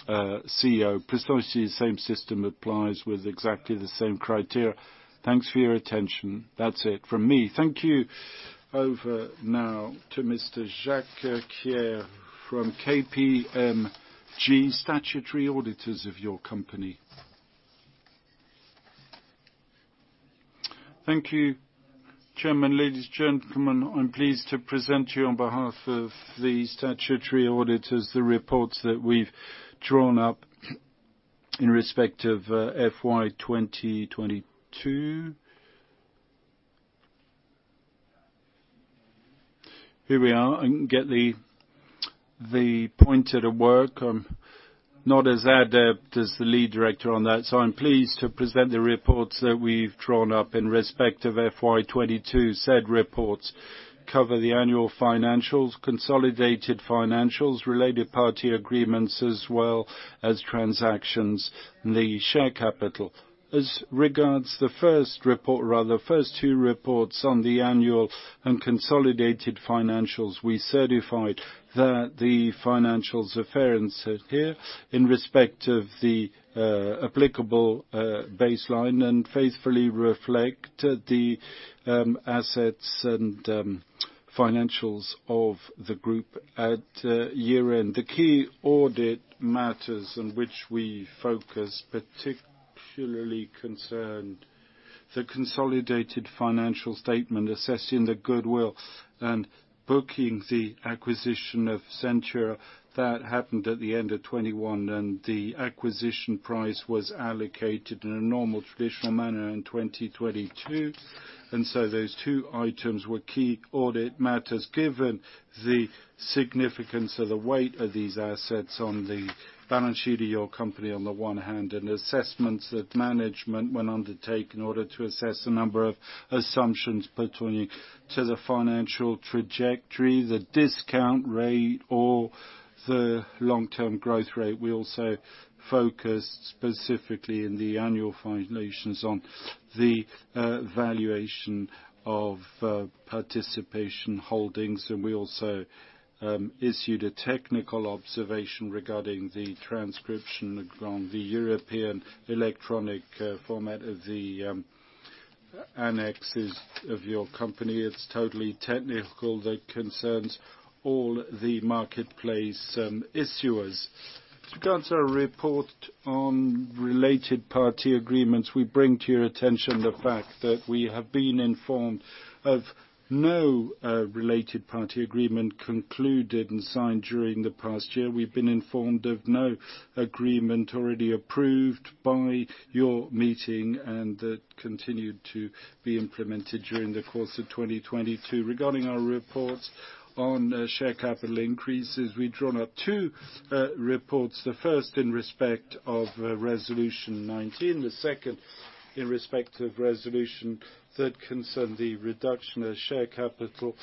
CEO. Precisely the same system applies with exactly the same criteria. Thanks for your attention. That's it from me. Thank you. Over now to Mr. Jacques Kier from KPMG, statutory auditors of your company. Thank you, Chairman. Ladies, gentlemen, I'm pleased to present to you on behalf of the statutory auditors, the reports that we've drawn up in respect of FY 2022. Here we are. I can get the pointer to work. I'm not as adept as the lead director on that, I'm pleased to present the reports that we've drawn up in respect of FY 2022. Said reports cover the annual financials, consolidated financials, related party agreements, as well as transactions in the share capital. As regards the first report, or rather the first two reports on the annual and consolidated financials, we certified that the financials referenced here in respect of the applicable baseline and faithfully reflect the assets and financials of the group at year-end. The key audit matters in which we focus particularly concerned the consolidated financial statement assessing the goodwill and booking the acquisition of Senture that happened at the end of 2021, and the acquisition price was allocated in a normal traditional manner in 2022. Those two items were key audit matters. Given the significance of the weight of these assets on the balance sheet of your company on the one hand, and assessments that management went undertake in order to assess a number of assumptions pertaining to the financial trajectory, the discount rate or. The long-term growth rate, we also focused specifically in the annual foundations on the valuation of participation holdings, and we also issued a technical observation regarding the transcription from the European electronic format of the annexes of your company. It's totally technical. That concerns all the marketplace issuers. To grant a report on related party agreements, we bring to your attention the fact that we have been informed of no related party agreement concluded and signed during the past year. We've been informed of no agreement already approved by your meeting and that continued to be implemented during the course of 2022. Regarding our reports on share capital increases, we've drawn up two reports. The first in respect of resolution 19, the second in respect of resolution that concern the reduction of share capital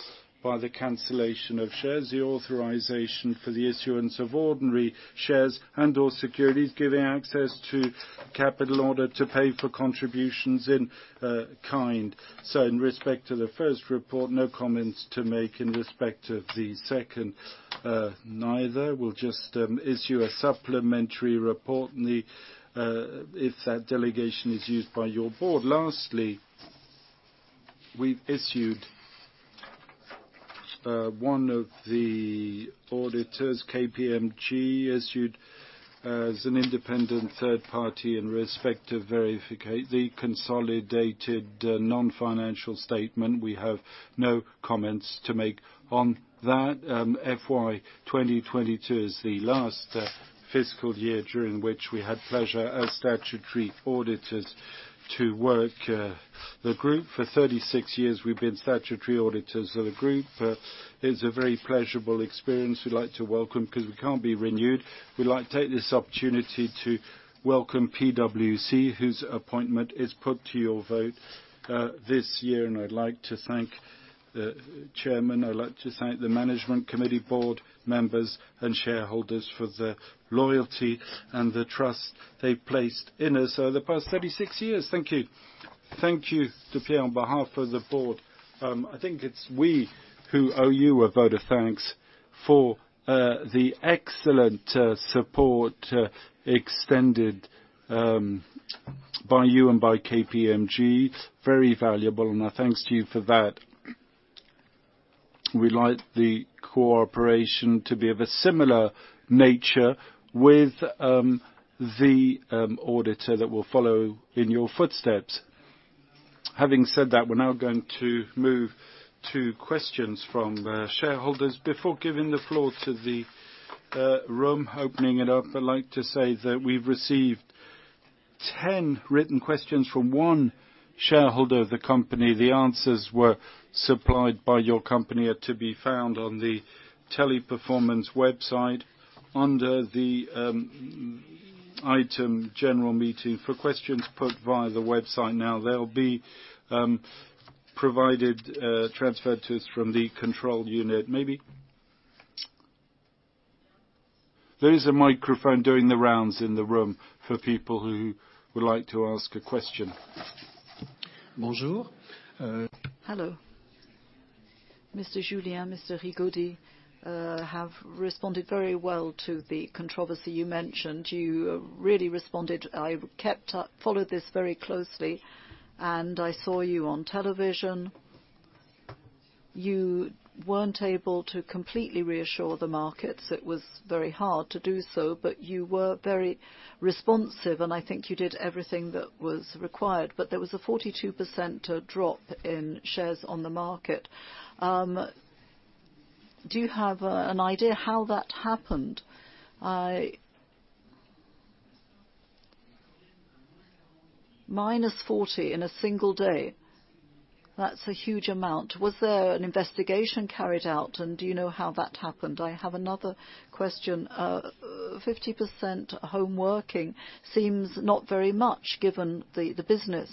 by the cancellation of shares, the authorization for the issuance of ordinary shares and/or securities, giving access to capital in order to pay for contributions in kind. In respect to the first report, no comments to make. In respect to the second, neither. We'll just issue a supplementary report in the if that delegation is used by your board. Lastly, we've issued one of the auditors, KPMG, issued as an independent third party in respect of verify the consolidated non-financial statement. We have no comments to make on that. FY 2022 is the last fiscal year during which we had pleasure as statutory auditors to work the group. For 36 years we've been statutory auditors of the group. It's a very pleasurable experience. We'd like to welcome 'cause we can't be renewed, we'd like to take this opportunity to welcome PwC, whose appointment is put to your vote this year. I'd like to thank the chairman, I'd like to thank the management committee, board members, and shareholders for their loyalty and the trust they've placed in us over the past 36 years. Thank you. Thank you to Kier on behalf of the board. I think it's we who owe you a vote of thanks for the excellent support extended by you and by KPMG. Very valuable. Our thanks to you for that. We'd like the cooperation to be of a similar nature with the auditor that will follow in your footsteps. Having said that, we're now going to move to questions from shareholders. Before giving the floor to the room, opening it up, I'd like to say that we've received 10 written questions from one shareholder of the company. The answers were supplied by your company, are to be found on the Teleperformance website under the item general meeting. For questions put via the website now, they'll be provided, transferred to us from the control unit. Maybe. There is a microphone doing the rounds in the room for people who would like to ask a question. Bonjour. Hello. Mr. Julien, Mr. Rigaudy have responded very well to the controversy you mentioned. You really responded. I followed this very closely, and I saw you on television. You weren't able to completely reassure the markets. It was very hard to do so, you were very responsive, and I think you did everything that was required. There was a 42% drop in shares on the market. Do you have an idea how that happened? Minus 40 in a single day. That's a huge amount. Was there an investigation carried out, and do you know how that happened? I have another question. 50% home working seems not very much, given the business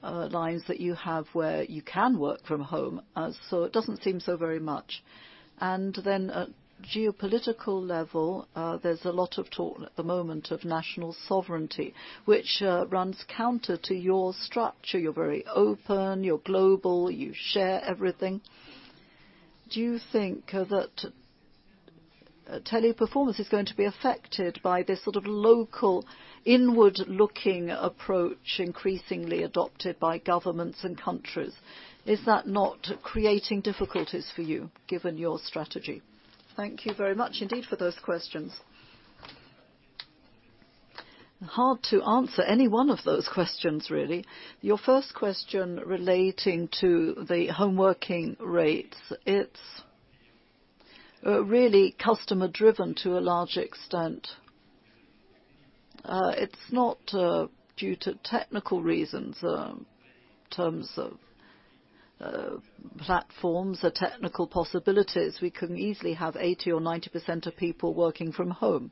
lines that you have where you can work from home. It doesn't seem so very much. At geopolitical level, there's a lot of talk at the moment of national sovereignty, which runs counter to your structure. You're very open, you're global, you share everything. Do you think that Teleperformance is going to be affected by this sort of local, inward-looking approach increasingly adopted by governments and countries? Is that not creating difficulties for you, given your strategy? Thank you very much indeed for those questions. Hard to answer any one of those questions, really. Your first question relating to the home working rates, it's really customer-driven to a large extent. It's not due to technical reasons, in terms of platforms, the technical possibilities. We can easily have 80% or 90% of people working from home.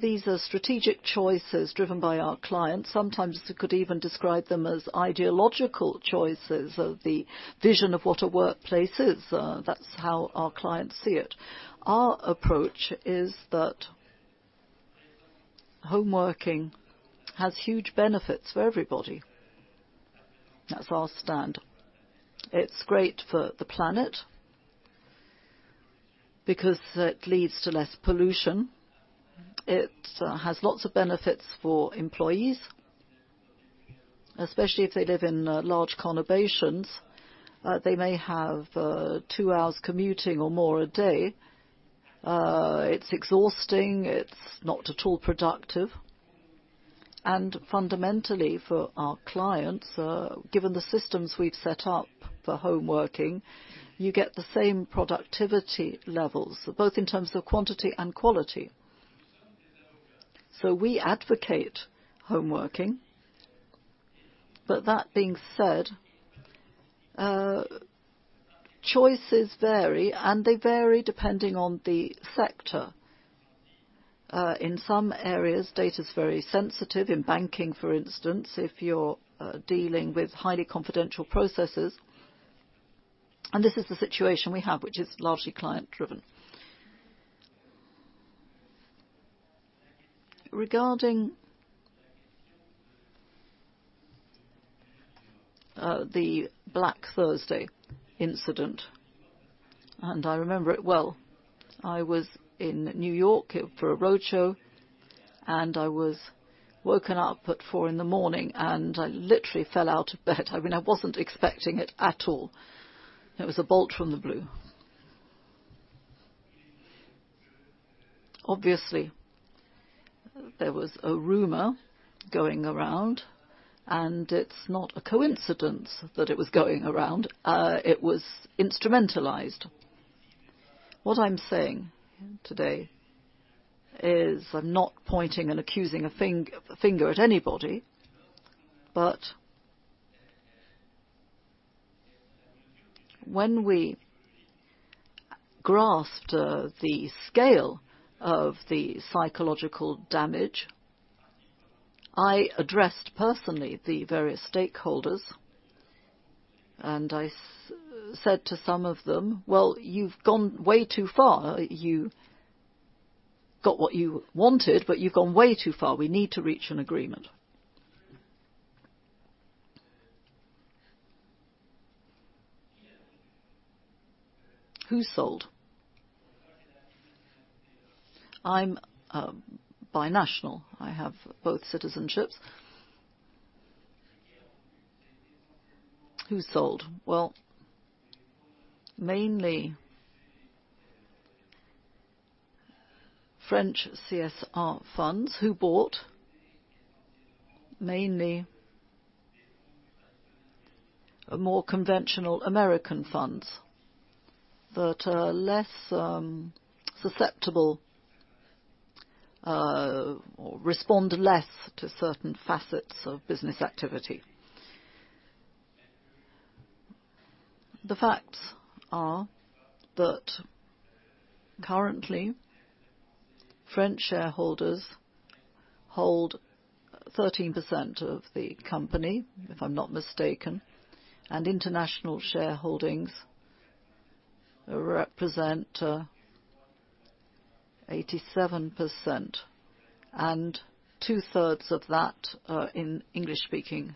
These are strategic choices driven by our clients. Sometimes you could even describe them as ideological choices of the vision of what a workplace is. That's how our clients see it. Our approach is that home working has huge benefits for everybody. That's our stand. It's great for the planet because it leads to less pollution. It has lots of benefits for employees, especially if they live in large conurbations. They may have two hours commuting or more a day. It's exhausting. It's not at all productive. Fundamentally, for our clients, given the systems we've set up for home working, you get the same productivity levels, both in terms of quantity and quality. We advocate home working. That being said, choices vary, and they vary depending on the sector. In some areas, data is very sensitive. In banking, for instance, if you're dealing with highly confidential processes, this is the situation we have, which is largely client-driven. Regarding the Black Thursday incident, I remember it well. I was in New York for a roadshow, I was woken up at 4:00 A.M., I literally fell out of bed. I mean, I wasn't expecting it at all. It was a bolt from the blue. Obviously, there was a rumor going around, it's not a coincidence that it was going around. It was instrumentalized. What I'm saying today is I'm not pointing and accusing a finger at anybody, when we grasped the scale of the psychological damage, I addressed personally the various stakeholders, I said to some of them, "Well, you've gone way too far. You got what you wanted, you've gone way too far. We need to reach an agreement." Who sold? I'm binational. I have both citizenships. Who sold? Mainly French CSR funds. Who bought? Mainly more conventional American funds that are less susceptible or respond less to certain facets of business activity. The facts are that currently, French shareholders hold 13% of the company, if I'm not mistaken, and international shareholdings represent 87% and two-thirds of that are in English-speaking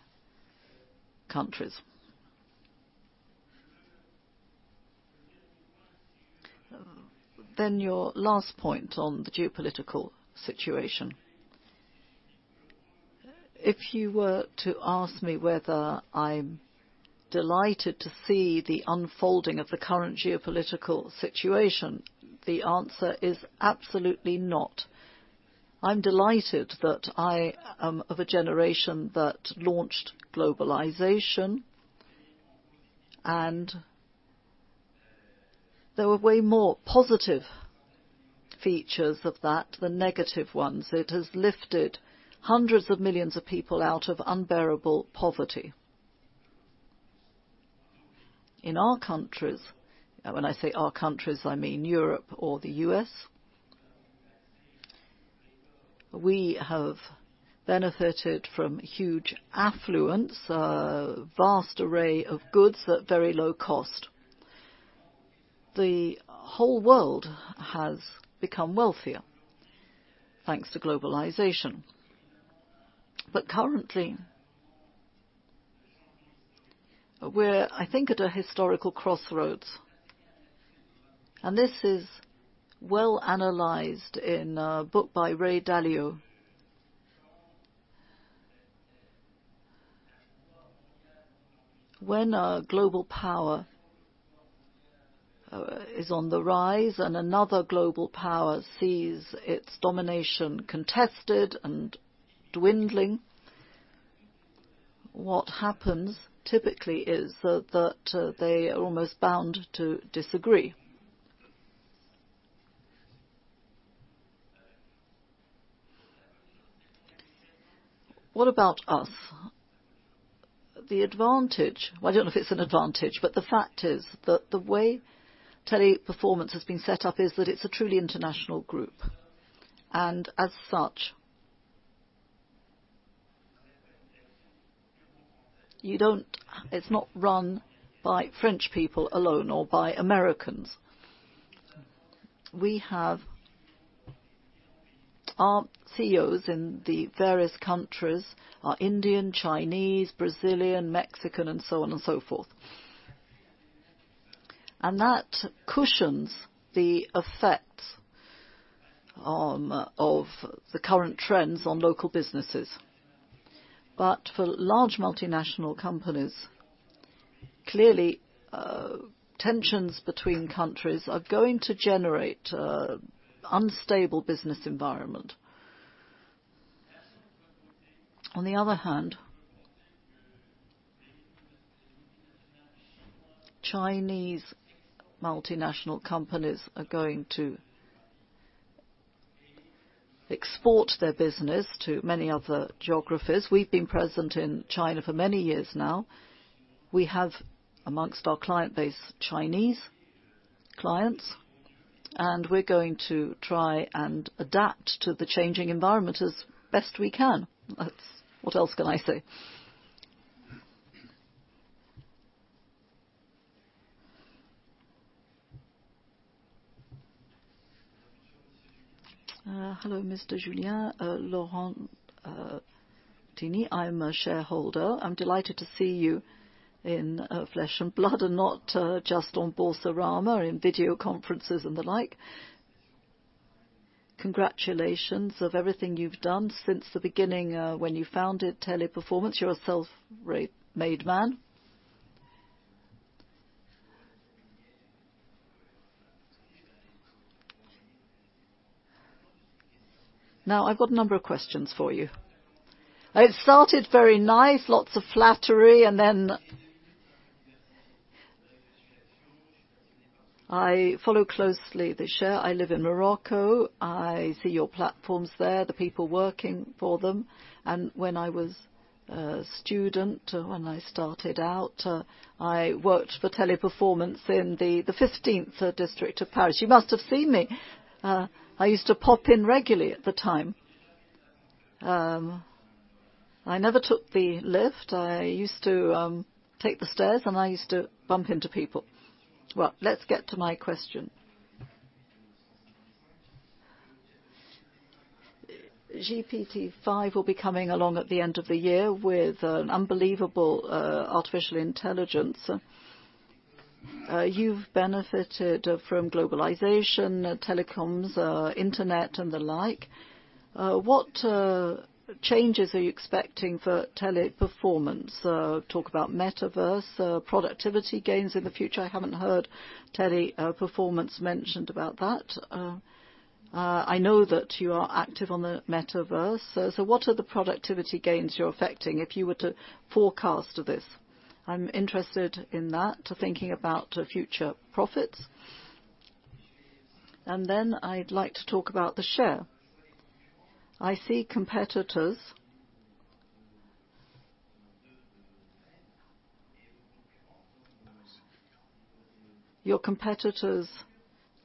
countries. Your last point on the geopolitical situation. If you were to ask me whether I'm delighted to see the unfolding of the current geopolitical situation, the answer is absolutely not. I'm delighted that I am of a generation that launched globalization, there were way more positive features of that than negative ones. It has lifted hundreds of millions of people out of unbearable poverty. In our countries, when I say our countries, I mean Europe or the U.S., we have benefited from huge affluence, a vast array of goods at very low cost. The whole world has become wealthier, thanks to globalization. Currently, we're, I think at a historical crossroads, and this is well analyzed in a book by Ray Dalio. When a global power is on the rise and another global power sees its domination contested and dwindling, what happens typically is that they are almost bound to disagree. What about us? Well, I don't know if it's an advantage, but the fact is that the way Teleperformance has been set up is that it's a truly international group, and as such, you don't. It's not run by French people alone or by Americans. We have our CEOs in the various countries are Indian, Chinese, Brazilian, Mexican, and so on and so forth. That cushions the effect of the current trends on local businesses. For large multinational companies, clearly, tensions between countries are going to generate unstable business environment. On the other hand, Chinese multinational companies are going to export their business to many other geographies. We've been present in China for many years now. We have, amongst our client base, Chinese clients, and we're going to try and adapt to the changing environment as best we can. What else can I say? Hello, Mr. Julien. Lauren Tini. I'm a shareholder. I'm delighted to see you in flesh and blood and not just on Boursorama, in video conferences and the like. Congratulations of everything you've done since the beginning, when you founded Teleperformance. You're a self-made man. I've got a number of questions for you. I've started very nice, lots of flattery, and then. I follow closely the share. I live in Morocco. I see your platforms there, the people working for them. When I was a student, when I started out, I worked for Teleperformance in the 15th district of Paris. You must have seen me. I used to pop in regularly at the time. I never took the lift. I used to take the stairs, and I used to bump into people. Let's get to my question. GPT-5 will be coming along at the end of the year with unbelievable artificial intelligence. You've benefited from globalization, telecoms, internet, and the like. What changes are you expecting for Teleperformance? Talk about Metaverse, productivity gains in the future. I haven't heard Teleperformance mentioned about that. I know that you are active on the Metaverse. What are the productivity gains you're affecting if you were to forecast this? I'm interested in that, to thinking about future profits. I'd like to talk about the share. I see competitors. Your competitors,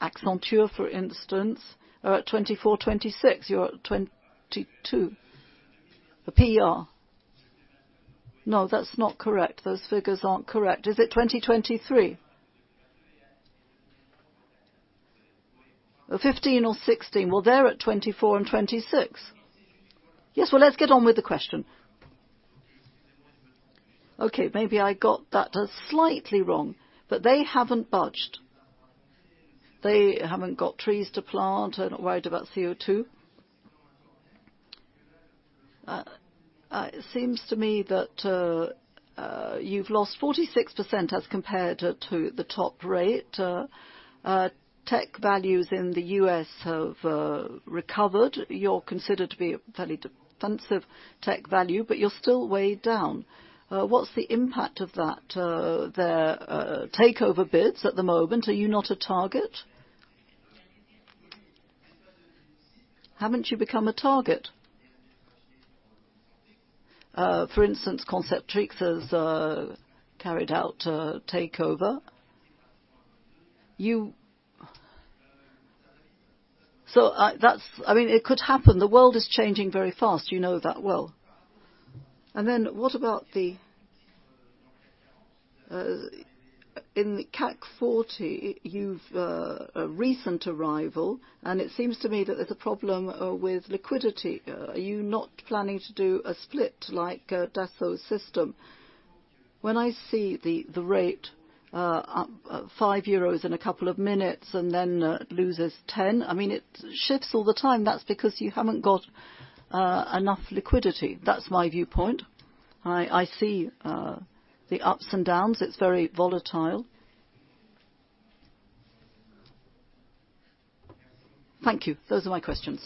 Accenture, for instance, are at 2024, 2026. You're at 2022. The PR. No, that's not correct. Those figures aren't correct. Is it 2023? 2015 or 2016. Well, they're at 2024 and 2026. Yes. Well, let's get on with the question. Okay, maybe I got that slightly wrong, they haven't budged. They haven't got trees to plant. They're not worried about CO2. It seems to me that you've lost 46% as compared to the top rate. Tech values in the U.S. have recovered. You're considered to be a fairly defensive tech value, but you're still way down. What's the impact of that, there, takeover bids at the moment? Are you not a target? Haven't you become a target? For instance, Concentrix has carried out a takeover. I mean, it could happen. The world is changing very fast, you know that well. What about the in the CAC 40, you've a recent arrival, and it seems to me that there's a problem with liquidity. Are you not planning to do a split like Dassault Systèmes? When I see the rate, 5 euros in a couple of minutes and then loses 10, I mean, it shifts all the time. That's because you haven't got enough liquidity. That's my viewpoint. I see the ups and downs. It's very volatile. Thank you. Those are my questions.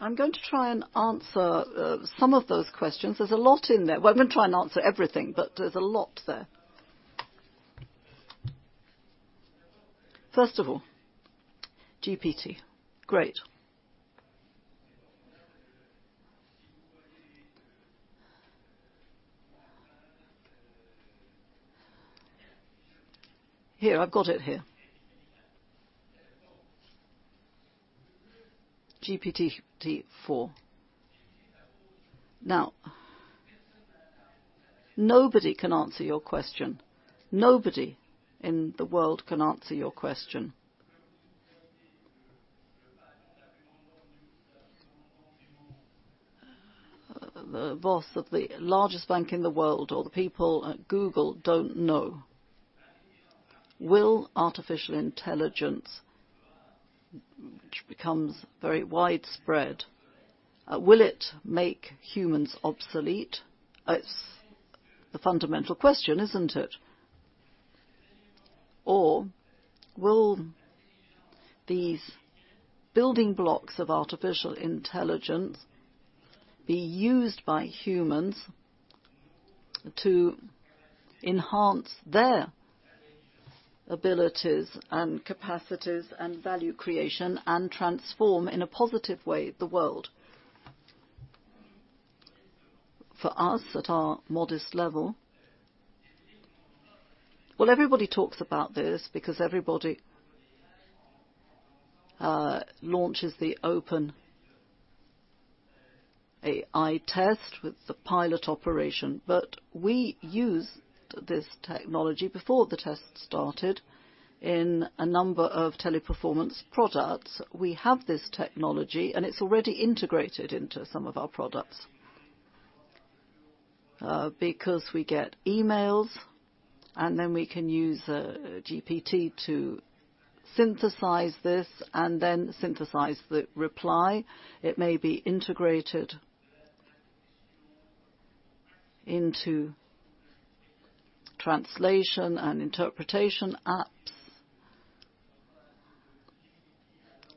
I'm going to try and answer some of those questions. There's a lot in there. Well, I'm gonna try and answer everything, but there's a lot there. First of all, GPT. Great. Here, I've got it here. GPT-4. Nobody can answer your question. Nobody in the world can answer your question. The boss of the largest bank in the world or the people at Google don't know. Will artificial intelligence, which becomes very widespread, will it make humans obsolete? It's the fundamental question, isn't it? Will these building blocks of artificial intelligence be used by humans to enhance their abilities and capacities and value creation and transform, in a positive way, the world? For us, at our modest level. Well, everybody talks about this because everybody launches the OpenAI test with the pilot operation. We used this technology before the test started in a number of Teleperformance products. We have this technology, and it's already integrated into some of our products. Because we get emails, and then we can use GPT to synthesize this and then synthesize the reply. It may be integrated into translation and interpretation apps.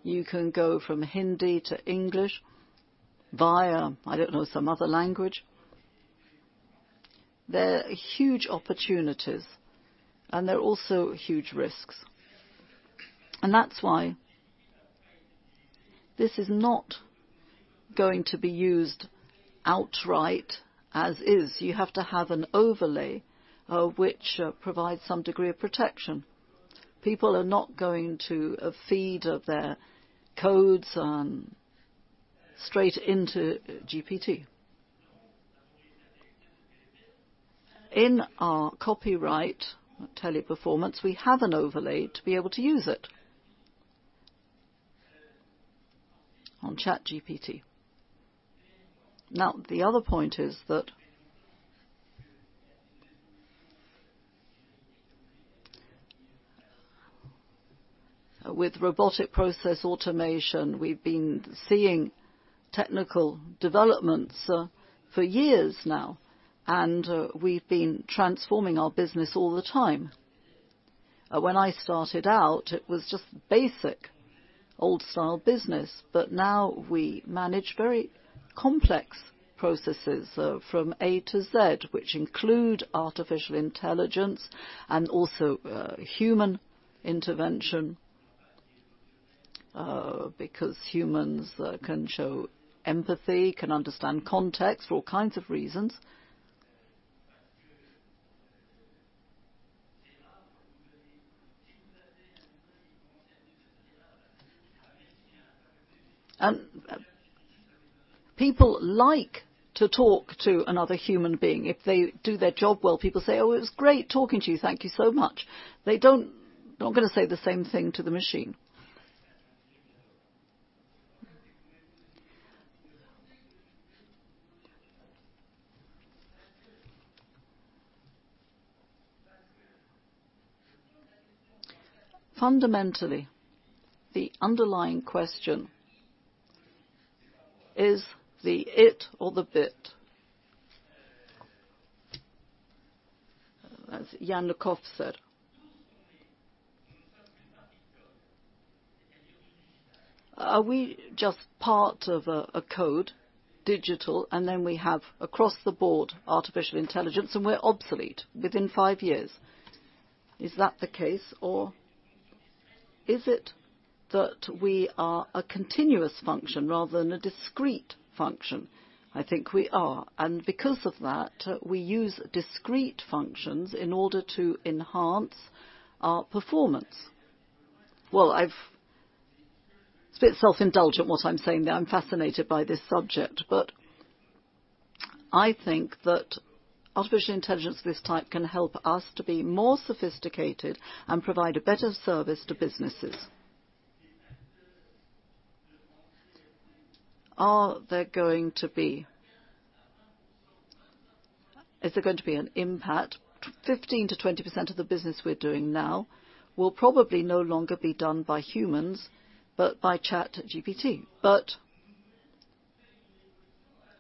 You can go from Hindi to English via, I don't know, some other language. There are huge opportunities, and there are also huge risks. That's why this is not going to be used outright as is. You have to have an overlay, which provides some degree of protection. People are not going to feed their codes straight into GPT. In our copyright at Teleperformance, we have an overlay to be able to use it on ChatGPT. Now, the other point is that with robotic process automation, we've been seeing technical developments for years now, and we've been transforming our business all the time. When I started out, it was just basic old style business, but now we manage very complex processes, from A to Z, which include artificial intelligence and also, human intervention, because humans, can show empathy, can understand context for all kinds of reasons. People like to talk to another human being. If they do their job well, people say, "Oh, it was great talking to you. Thank you so much. They're not going to say the same thing to the machine. Fundamentally, the underlying question, is the it or the bit? As Yankov said. Are we just part of a code, digital, and then we have across the board artificial intelligence, and we're obsolete within five years? Is that the case, or is it that we are a continuous function rather than a discrete function? I think we are. Because of that, we use discrete functions in order to enhance our performance. Well, it's a bit self-indulgent what I'm saying there. I'm fascinated by this subject, but I think that artificial intelligence of this type can help us to be more sophisticated and provide a better service to businesses. Is there going to be an impact? 15%-20% of the business we're doing now will probably no longer be done by humans, but by ChatGPT.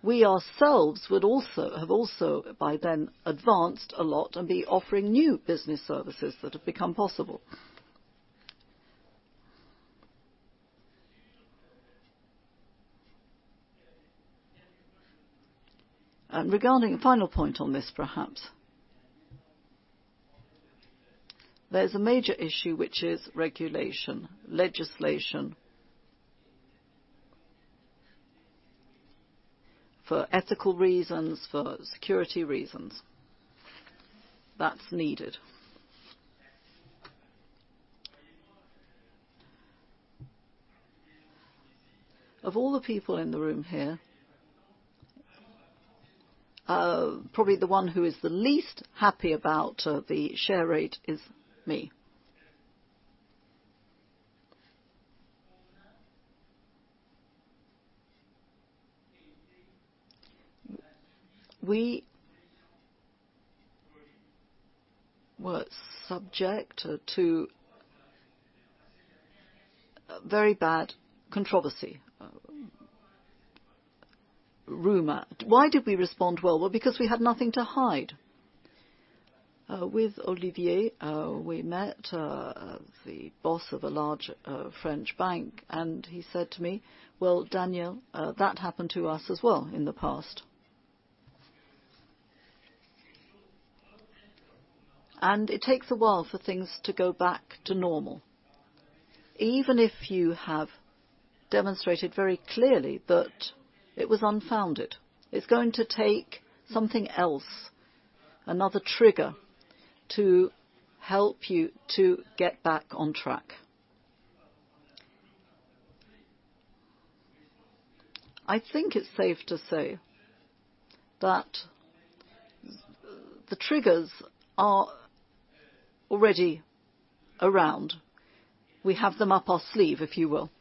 We ourselves have also by then advanced a lot and be offering new business services that have become possible. Regarding a final point on this, perhaps. There's a major issue which is regulation, legislation. For ethical reasons, for security reasons, that's needed. Of all the people in the room here, probably the one who is the least happy about the share rate is me. We were subject to very bad controversy, rumor. Why did we respond well? Well, because we had nothing to hide. With Olivier, we met the boss of a large French bank, and he said to me, "Well, Daniel, that happened to us as well in the past." It takes a while for things to go back to normal. Even if you have demonstrated very clearly that it was unfounded, it's going to take something else, another trigger, to help you to get back on track. I think it's safe to say that the triggers are already around. We have them up our sleeve, if you will.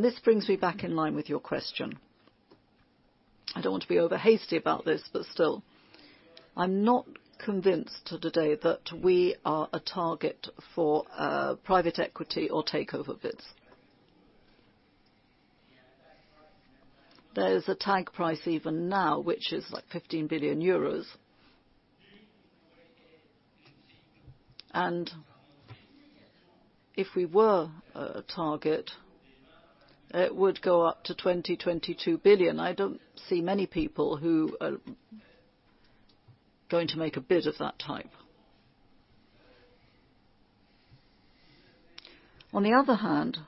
This brings me back in line with your question. I don't want to be overhasty about this, but still, I'm not convinced today that we are a target for private equity or takeover bids. There is a tag price even now, which is, like, 15 billion euros. If we were a target, it would go up to 20 billion-22 billion. I don't see many people who are going to make a bid of that type. On the other hand,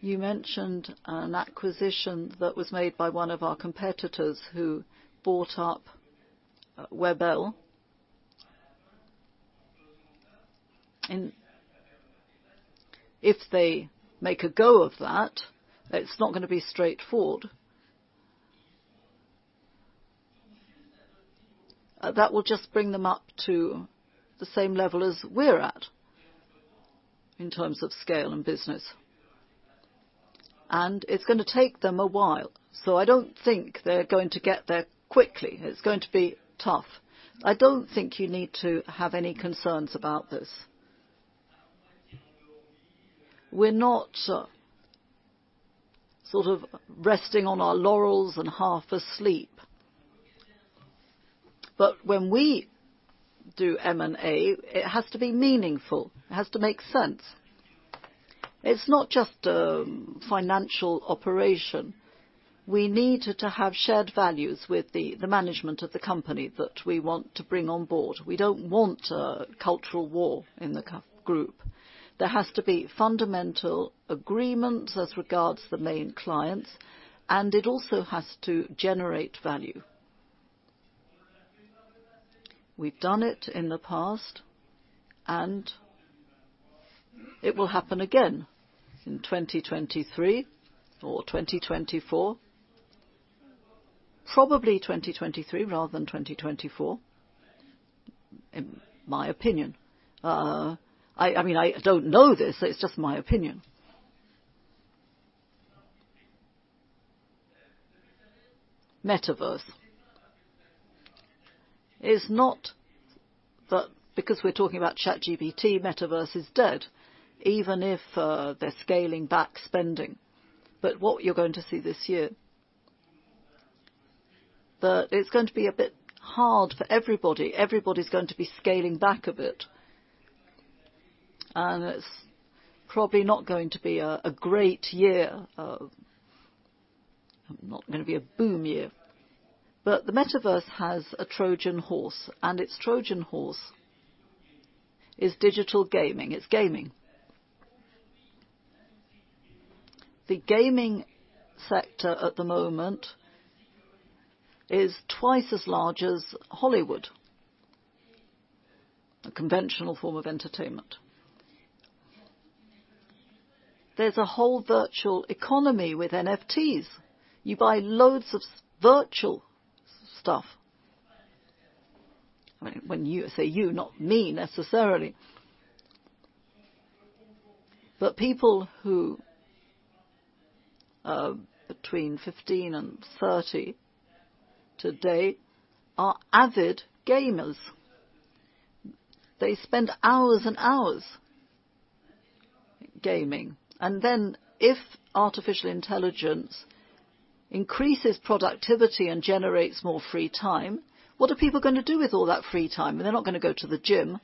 you mentioned an acquisition that was made by one of our competitors who bought up Webhelp. If they make a go of that, it's not gonna be straightforward. That will just bring them up to the same level as we're at in terms of scale and business. It's gonna take them a while, so I don't think they're going to get there quickly. It's going to be tough. I don't think you need to have any concerns about this. We're not sort of resting on our laurels and half asleep. When we do M&A, it has to be meaningful. It has to make sense. It's not just a financial operation. We need to have shared values with the management of the company that we want to bring on board. We don't want a cultural war in the group. There has to be fundamental agreement as regards the main clients. It also has to generate value. We've done it in the past. It will happen again in 2023 or 2024. Probably 2023 rather than 2024, in my opinion. I mean, I don't know this. It's just my opinion. Metaverse is not because we're talking about ChatGPT, metaverse is dead, even if they're scaling back spending. What you're going to see this year, that it's going to be a bit hard for everybody. Everybody's going to be scaling back a bit. It's probably not going to be a great year. Not gonna be a boom year. The Metaverse has a Trojan horse, and its Trojan horse is digital gaming. It's gaming. The gaming sector at the moment is twice as large as Hollywood, a conventional form of entertainment. There's a whole virtual economy with NFTs. You buy loads of virtual stuff. I mean, when you. I say you, not me necessarily. But people who are between 15 and 30 today are avid gamers. They spend hours and hours gaming. Then if artificial intelligence increases productivity and generates more free time, what are people gonna do with all that free time? They're not gonna go to the gym.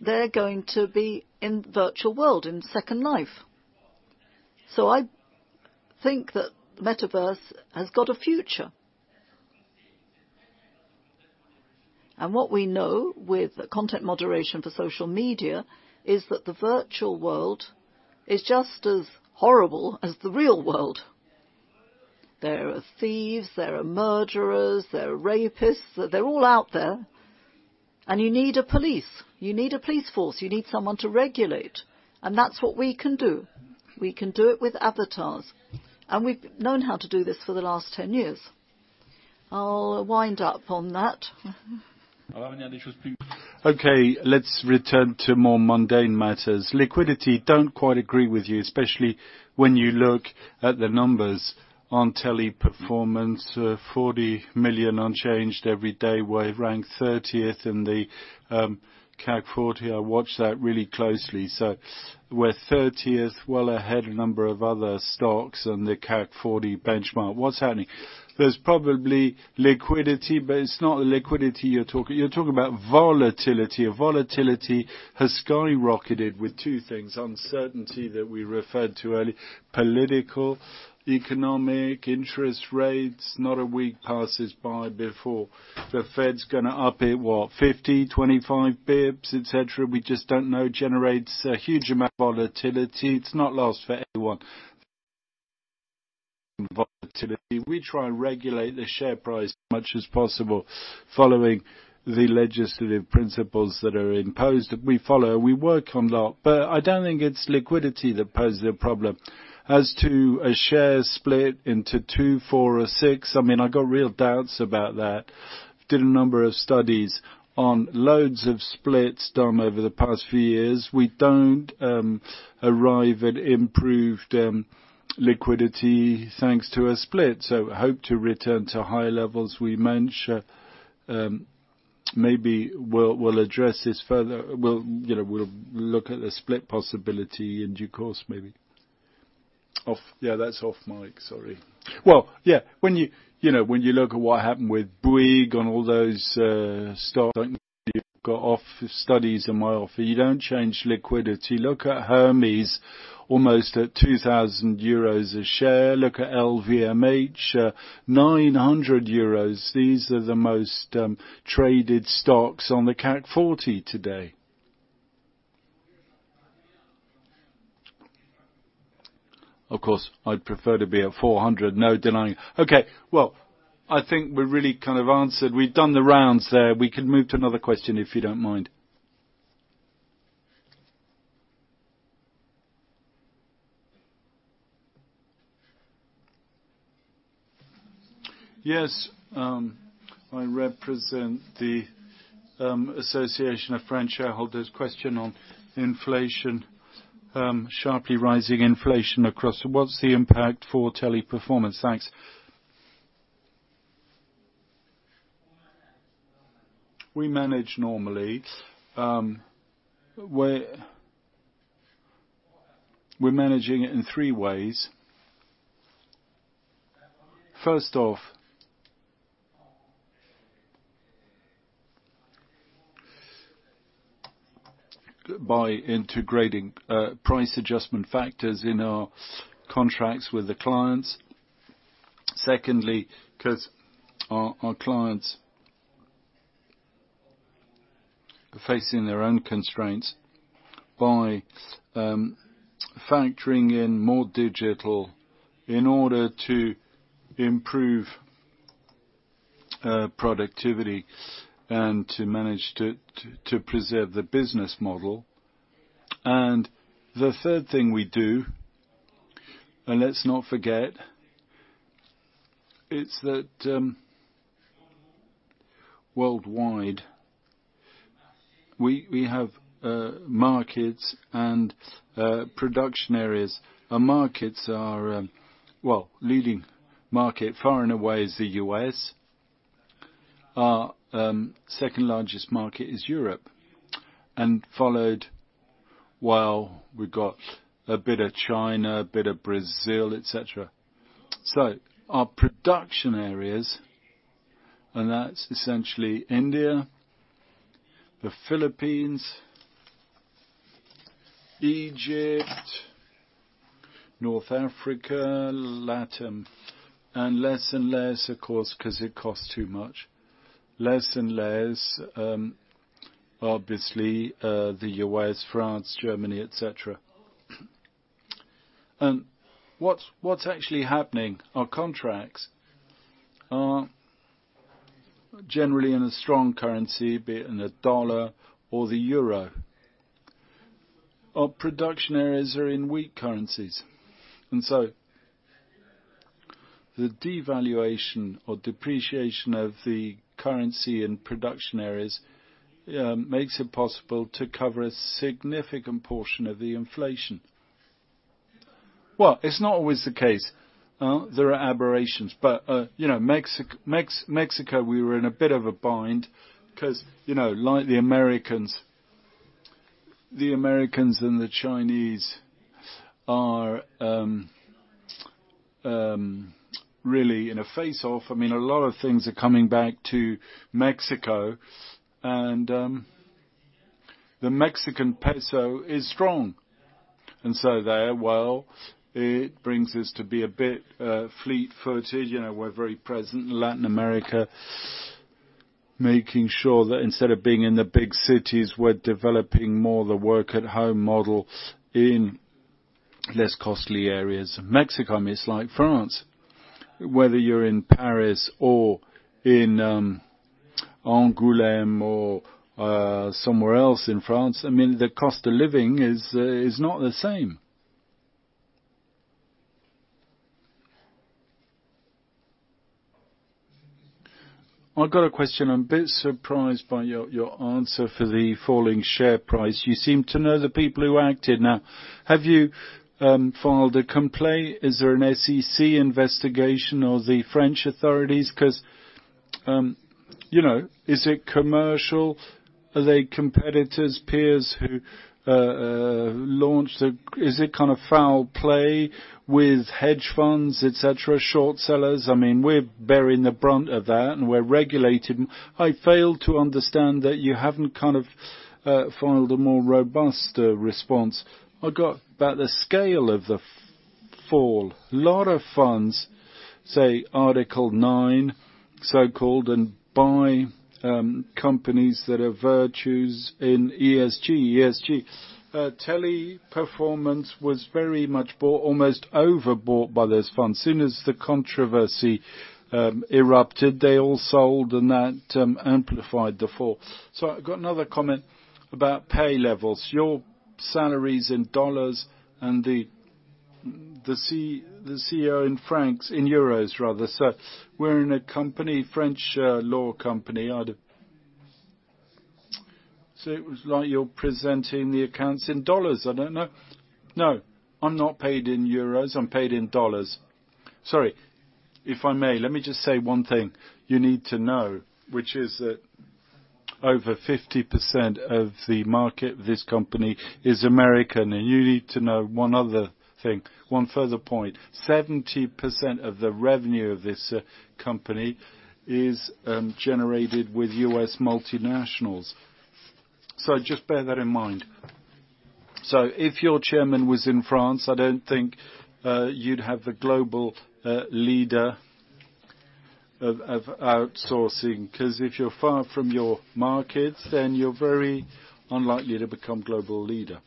They're going to be in virtual world, in Second Life. I think that Metaverse has got a future. What we know with content moderation for social media is that the virtual world is just as horrible as the real world. There are thieves, there are murderers, there are rapists, they're all out there, and you need a police. You need a police force, you need someone to regulate, and that's what we can do. We can do it with avatars, and we've known how to do this for the last 10 years. I'll wind up on that. Okay, let's return to more mundane matters. Liquidity don't quite agree with you, especially when you look at the numbers on Teleperformance, 40 million unchanged every day. We're ranked 30th in the CAC 40. I watch that really closely. We're 30th, well ahead a number of other stocks in the CAC 40 Benchmark. What's happening? There's probably liquidity, but it's not the liquidity you're talking about volatility. Volatility has skyrocketed with two things: uncertainty that we referred to earli- political, economic, interest rates. Not a week passes by before the Fed's gonna up it, what? 50, 25 basis points, et cetera. We just don't know. Generates a huge amount of volatility. It's not lost for anyone. Volatility. We try and regulate the share price as much as possible, following the legislative principles that are imposed. We follow, we work on that. I don't think it's liquidity that poses a problem. As to a share split into two, four or six, I mean, I got real doubts about that. Did a number of studies on loads of splits done over the past few years. We don't arrive at improved liquidity thanks to a split. Hope to return to high levels. We mention, maybe we'll address this further. We'll, you know, we'll look at the split possibility in due course, maybe. Off. Yeah, that's off mic. Sorry. Yeah, when you know, when you look at what happened with Bouygues and all those stocks got off studies a mile. You don't change liquidity. Look at Hermès, almost at 2,000 euros a share. Look at LVMH, 900 euros. These are the most traded stocks on the CAC 40 today. Of course, I'd prefer to be at 400. No denying. Okay, well, I think we're really kind of answered. We've done the rounds there. We can move to another question, if you don't mind. Yes, I represent the Association of French Shareholders. Question on inflation, sharply rising inflation across. What's the impact for Teleperformance? Thanks. We manage normally. We're managing it in three ways. First off, by integrating price adjustment factors in our contracts with the clients. Secondly, 'cause our clients are facing their own constraints by factoring in more digital in order to improve productivity and to manage to preserve the business model. The third thing we do, and let's not forget, it's that worldwide, we have markets and production areas. Our markets are. Well, leading market far and away is the U.S.. Our second largest market is Europe, and followed, well, we've got a bit of China, a bit of Brazil, et cetera. Our production areas, and that's essentially India, the Philippines, Egypt, North Africa, Latin. Less and less, of course, 'cause it costs too much. Less and less, obviously, the U.S., France, Germany, et cetera. What's actually happening, our contracts are generally in a strong currency, be it in the dollar or the euro. Our production areas are in weak currencies. The devaluation or depreciation of the currency in production areas makes it possible to cover a significant portion of the inflation. Well, it's not always the case, there are aberrations, but, you know, Mexico, we were in a bit of a bind because, you know, like the Americans and the Chinese are really in a face-off. I mean, a lot of things are coming back to Mexico. The Mexican peso is strong. There, well, it brings us to be a bit fleet-footed. You know, we're very present in Latin America, making sure that instead of being in the big cities, we're developing more the work-at-home model in less costly areas. Mexico, I mean, it's like France. Whether you're in Paris or in Angoulême or somewhere else in France, I mean, the cost of living is not the same. I've got a question. I'm a bit surprised by your answer for the falling share price. You seem to know the people who acted. Have you filed a complaint? Is there an SEC investigation or the French authorities? 'Cause, you know, is it commercial? Are they competitors, peers who launched? Is it kind of foul play with hedge funds, et cetera, short sellers? I mean, we're bearing the brunt of that. We're regulated. I fail to understand that you haven't kind of filed a more robust response. I've got about the scale of the fall. Lot of funds say Article 9, so-called, buy companies that are virtues in ESG. ESG, Teleperformance was very much bought, almost overbought by this fund. Soon as the controversy erupted, they all sold. That amplified the fall. I've got another comment about pay levels. Your salaries in dollars and the CEO in francs, in euros rather. We're in a company, French law company. It was like you're presenting the accounts in dollars. I don't know. No, I'm not paid in euros. I'm paid in dollars. Sorry. If I may, let me just say one thing you need to know, which is that over 50% of the market, this company is American. You need to know one other thing, one further point. 70% of the revenue of this company is generated with U.S. multinationals. Just bear that in mind. If your Chairman was in France, I don't think you'd have the global leader of outsourcing, 'cause if you're far from your markets, then you're very unlikely to become global leader.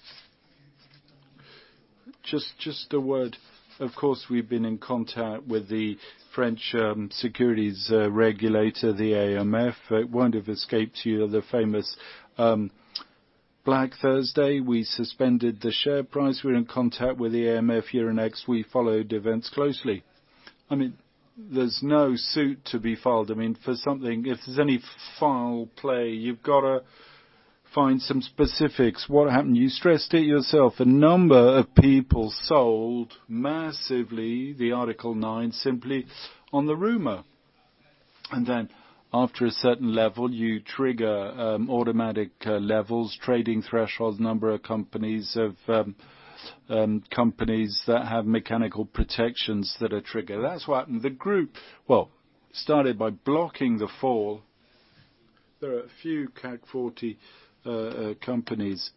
Just a word. Of course, we've been in contact with the French, securities, regulator, the AMF. It won't have escaped you the famous, Black Thursday. We suspended the share price. We're in contact with the AMF Euronext. We followed events closely. I mean, there's no suit to be filed. I mean, for something. If there's any foul play, you've gotta find some specifics. What happened? You stressed it yourself. A number of people sold massively the Article 9 simply on the rumor. After a certain level, you trigger automatic levels, trading thresholds. A number of companies that have mechanical protections that are triggered. That's what happened. The group, well, started by blocking the fall. There are a few CAC 40 companies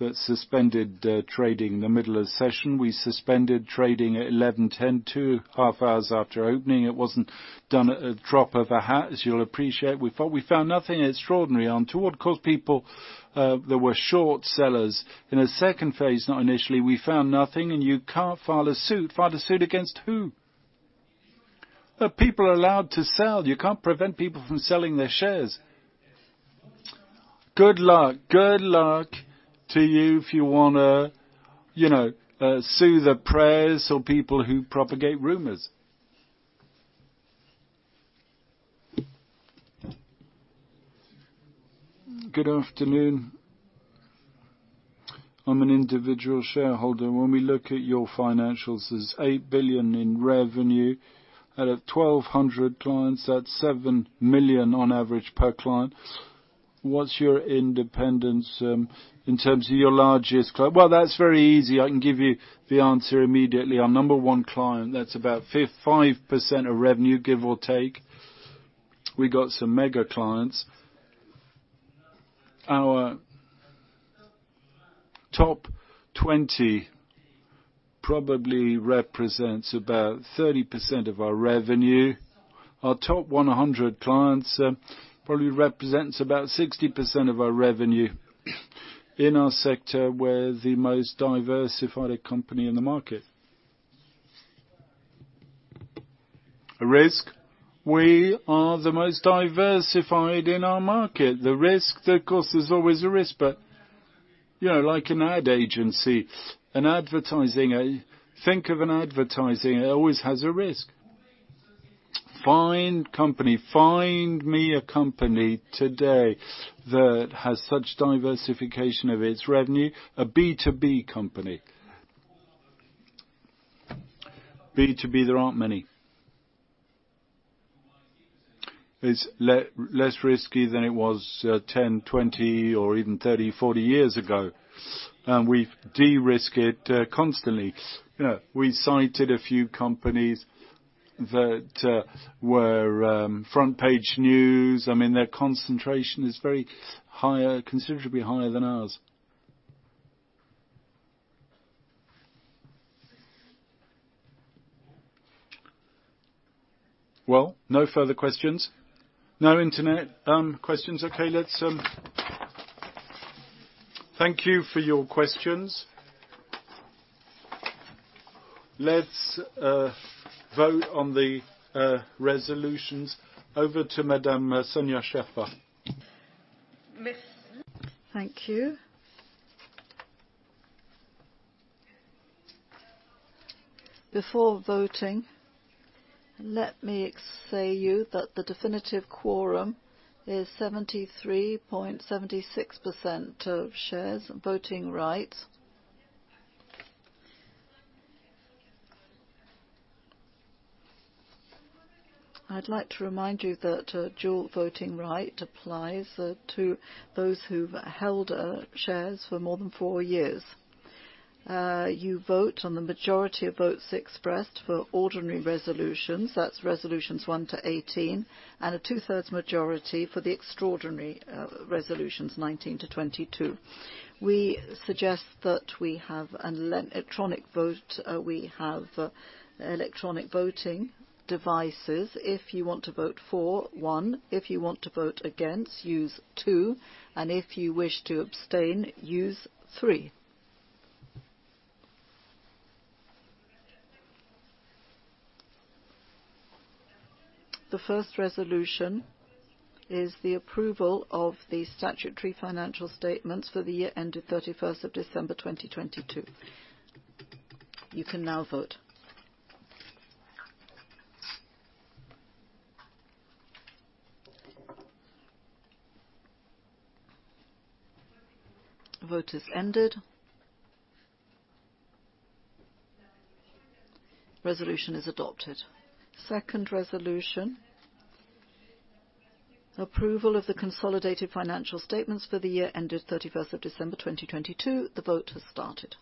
that suspended trading in the middle of session. We suspended trading at 11:10 A.M., two half hours after opening. It wasn't done at a drop of a hat, as you'll appreciate. We found nothing extraordinary. To what caused people that were short sellers. In a second phase, not initially, we found nothing. You can't file a suit. File a suit against who? The people are allowed to sell. You can't prevent people from selling their shares. Good luck. Good luck to you if you wanna, you know, soothe the prayers or people who propagate rumors. Good afternoon. I'm an individual shareholder. When we look at your financials, there's $8 billion in revenue out of 1,200 clients. That's $7 million on average per client. What's your independence in terms of your largest client? Well, that's very easy. I can give you the answer immediately. Our number one client, that's about 5% of revenue, give or take. We got some mega clients. Our top 20 probably represents about 30% of our revenue. Our top 100 clients probably represents about 60% of our revenue. In our sector, we're the most diversified company in the market. Risk, we are the most diversified in our market. The risk, of course, there's always a risk, but you know, like an ad agency, an advertising. Think of an advertising, it always has a risk. Find company, find me a company today that has such diversification of its revenue, a B2B company. B2B, there aren't many. Is less risky than it was 10, 20, or even 30, 40 years ago. We derisk it constantly. You know, we cited a few companies that were front page news. I mean, their concentration is very higher, considerably higher than ours. Well, no further questions? No internet questions. Okay, let's. Thank you for your questions. Let's vote on the resolutions. Over to Madame Sonia Cheurfa. Thank you. Before voting, let me say you that the definitive quorum is 73.76% of shares voting rights. I'd like to remind you that dual voting right applies to those who've held shares for more than four years. You vote on the majority of votes expressed for ordinary resolutions, that's resolutions one to 18, and a 2/3 majority for the extraordinary resolutions 19 to 22. We suggest that we have an electronic vote. We have electronic voting devices. If you want to vote for, use one. If you want to vote against, use two. If you wish to abstain, use three. The first resolution is the approval of the statutory financial statements for the year ended 31st of December, 2022. You can now vote. Vote has ended. Resolution is adopted. Second resolution: approval of the consolidated financial statements for the year ended 31st of December, 2022. The vote has started.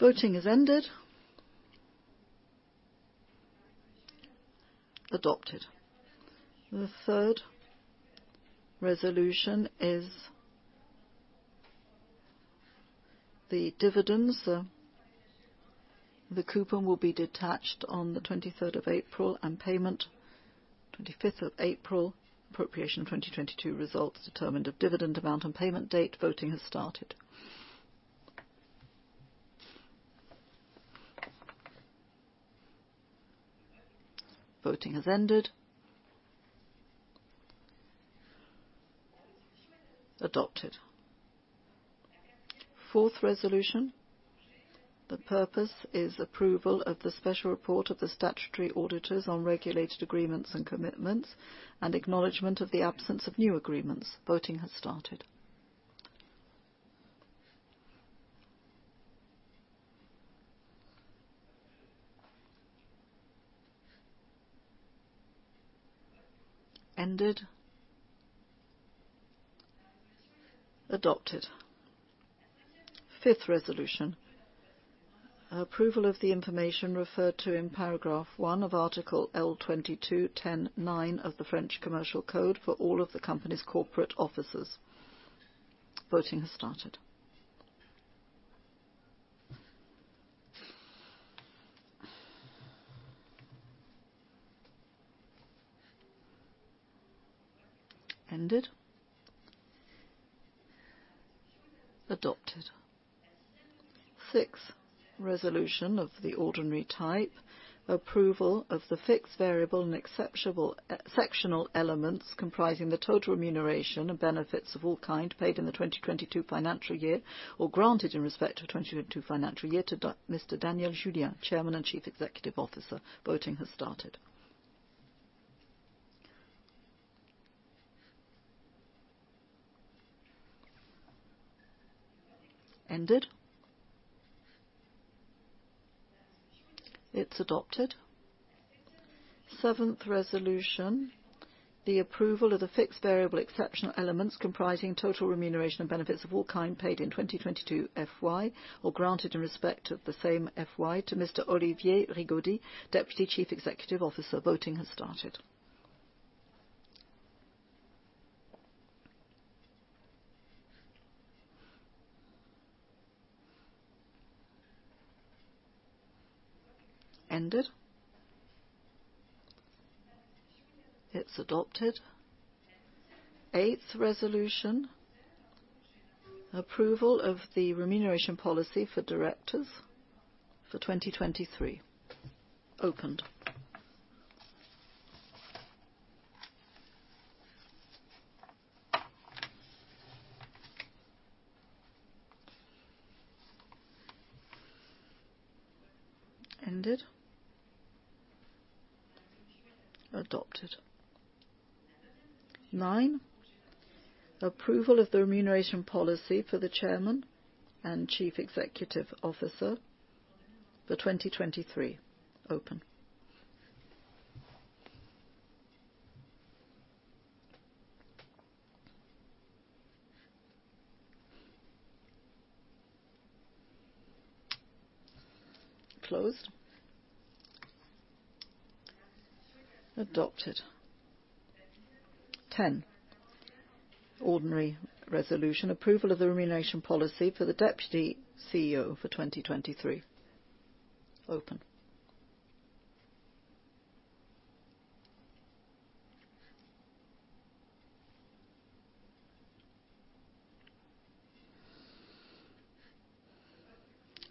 Voting has ended. Adopted. The third resolution is the dividends. The coupon will be detached on the 23rd of April, and payment 25th of April. Appropriation 2022 results determined of dividend amount and payment date. Voting has started. Voting has ended. Adopted. Fourth resolution: the purpose is approval of the special report of the statutory auditors on regulated agreements and commitments and acknowledgement of the absence of new agreements. Voting has started. Ended. Adopted. Fifth resolution: approval of the information referred to in paragraph one of Article L22-10-9 of the French Commercial Code for all of the company's corporate officers. Voting has started. Ended. Adopted. Sixth resolution of the ordinary type: approval of the fixed variable and exceptional elements comprising the total remuneration and benefits of all kind paid in the 2022 financial year or granted in respect to the 2022 financial year to Mr. Daniel Julien, Chairman and Chief Executive Officer. Voting has started. Ended. It's adopted. Seventh resolution: the approval of the fixed variable exceptional elements comprising total remuneration and benefits of all kind paid in 2022 FY or granted in respect of the same FY to Mr. Olivier Rigaudy, Deputy Chief Executive Officer. Voting has started. Ended. It's adopted. Eighth resolution: approval of the remuneration policy for directors for 2023. Opened. Ended. Adopted. nine, approval of the remuneration policy for the Chairman and Chief Executive Officer for 2023. Open. Closed. Adopted. 10, ordinary resolution. Approval of the remuneration policy for the Deputy CEO for 2023. Open.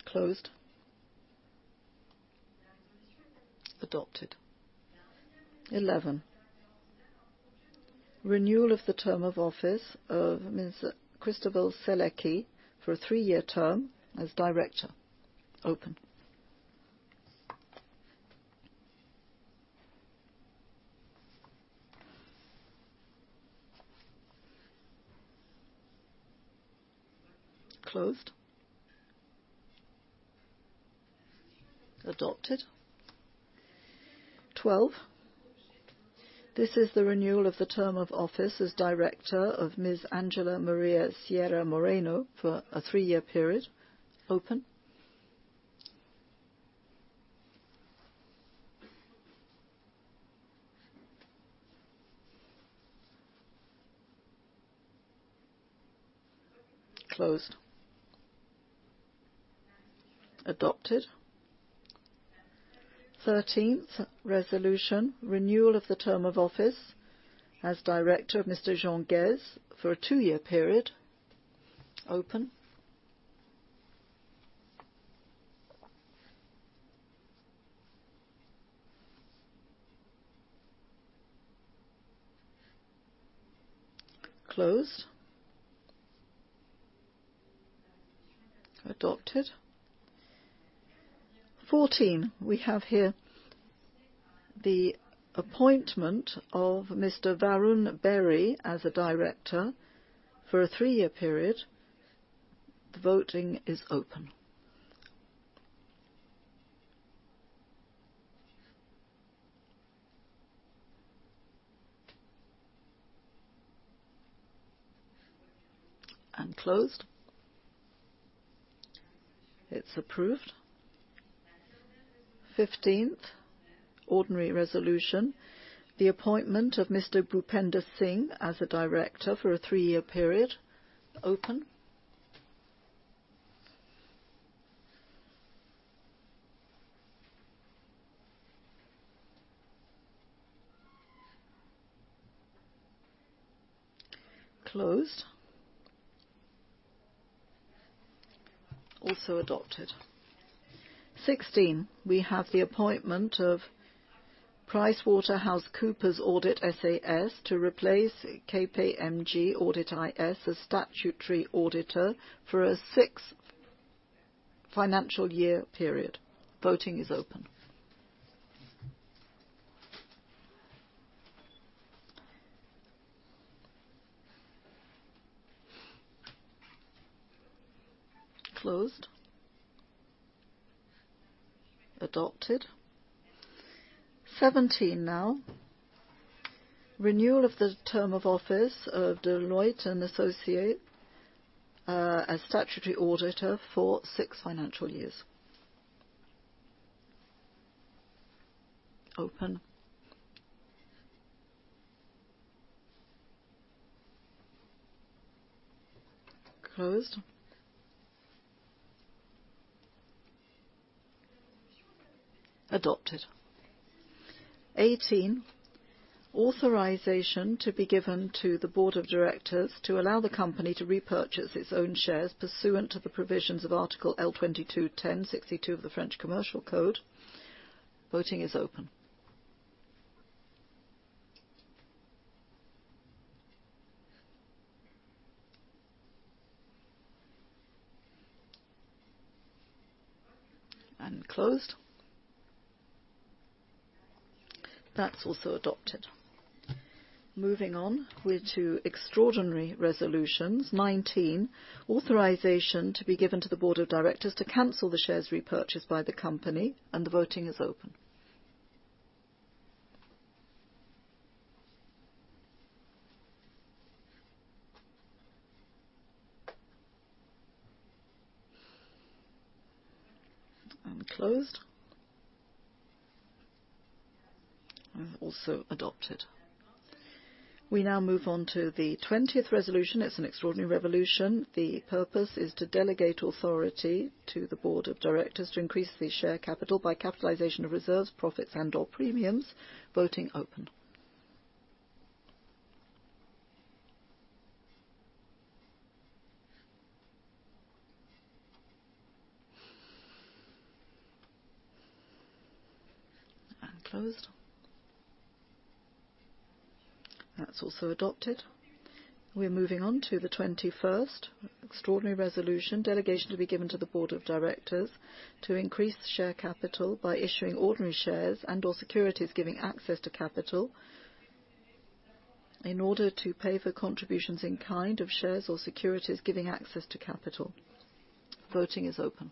Closed. Adopted. 11, renewal of the term of office of Ms. Christobel Selecky for a three-year term as director. Open. Closed. Adopted. 12, this is the renewal of the term of office as Director of Ms. Angela Maria Sierra-Moreno for a three-year period. Open. Closed. Adopted. 13th resolution, renewal of the term of office as Director of Mr. Jean Guez for a two-year period. Open. Closed. Adopted. 14, we have here the appointment of Mr. Varun Bery as a director for a three-year period. The voting is open. Closed. It's approved. 15th ordinary resolution, the appointment of Mr. Bhupender Singh as a director for a three-year period. Open. Closed. Also adopted. 16, we have the appointment of PricewaterhouseCoopers Audit SAS to replace KPMG Audit IS as statutory auditor for a 6th financial year period. Voting is open. Closed. Adopted. 17 now, renewal of the term of office of Deloitte et Associés as statutory auditor for six financial years. Open. Closed. Adopted. 18, authorization to be given to the board of directors to allow the company to repurchase its own shares pursuant to the provisions of Article L22-10-62 of the French Commercial Code. Voting is open. Closed. That's also adopted. Moving on to extraordinary resolutions. 19, authorization to be given to the board of directors to cancel the shares repurchased by the company. The voting is open. Closed. Also adopted. We now move on to the 20th resolution. It's an extraordinary resolution. The purpose is to delegate authority to the board of directors to increase the share capital by capitalization of reserves, profits and/or premiums. Voting open. Closed. That's also adopted. We're moving on to the 21st extraordinary resolution. Delegation to be given to the board of directors to increase share capital by issuing ordinary shares and/or securities giving access to capital in order to pay for contributions in kind of shares or securities giving access to capital. Voting is open.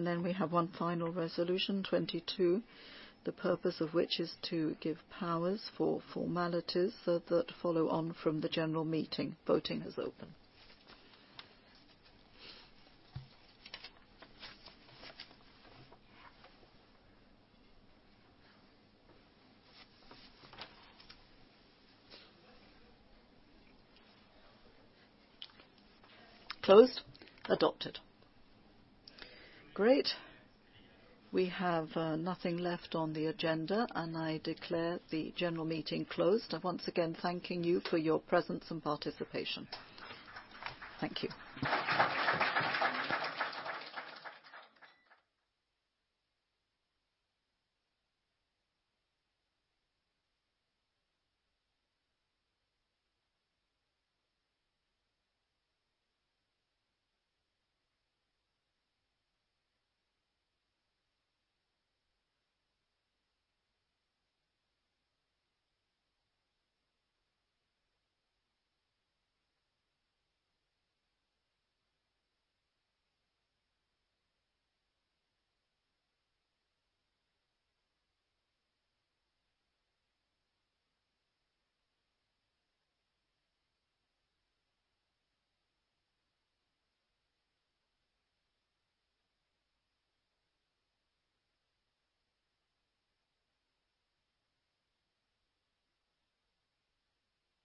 Closed. Adopted. We have one final resolution, 2022, the purpose of which is to give powers for formalities that follow on from the general meeting. Voting is open. Closed. Adopted. Great. We have nothing left on the agenda, and I declare the general meeting closed. I'm once again thanking you for your presence and participation. Thank you.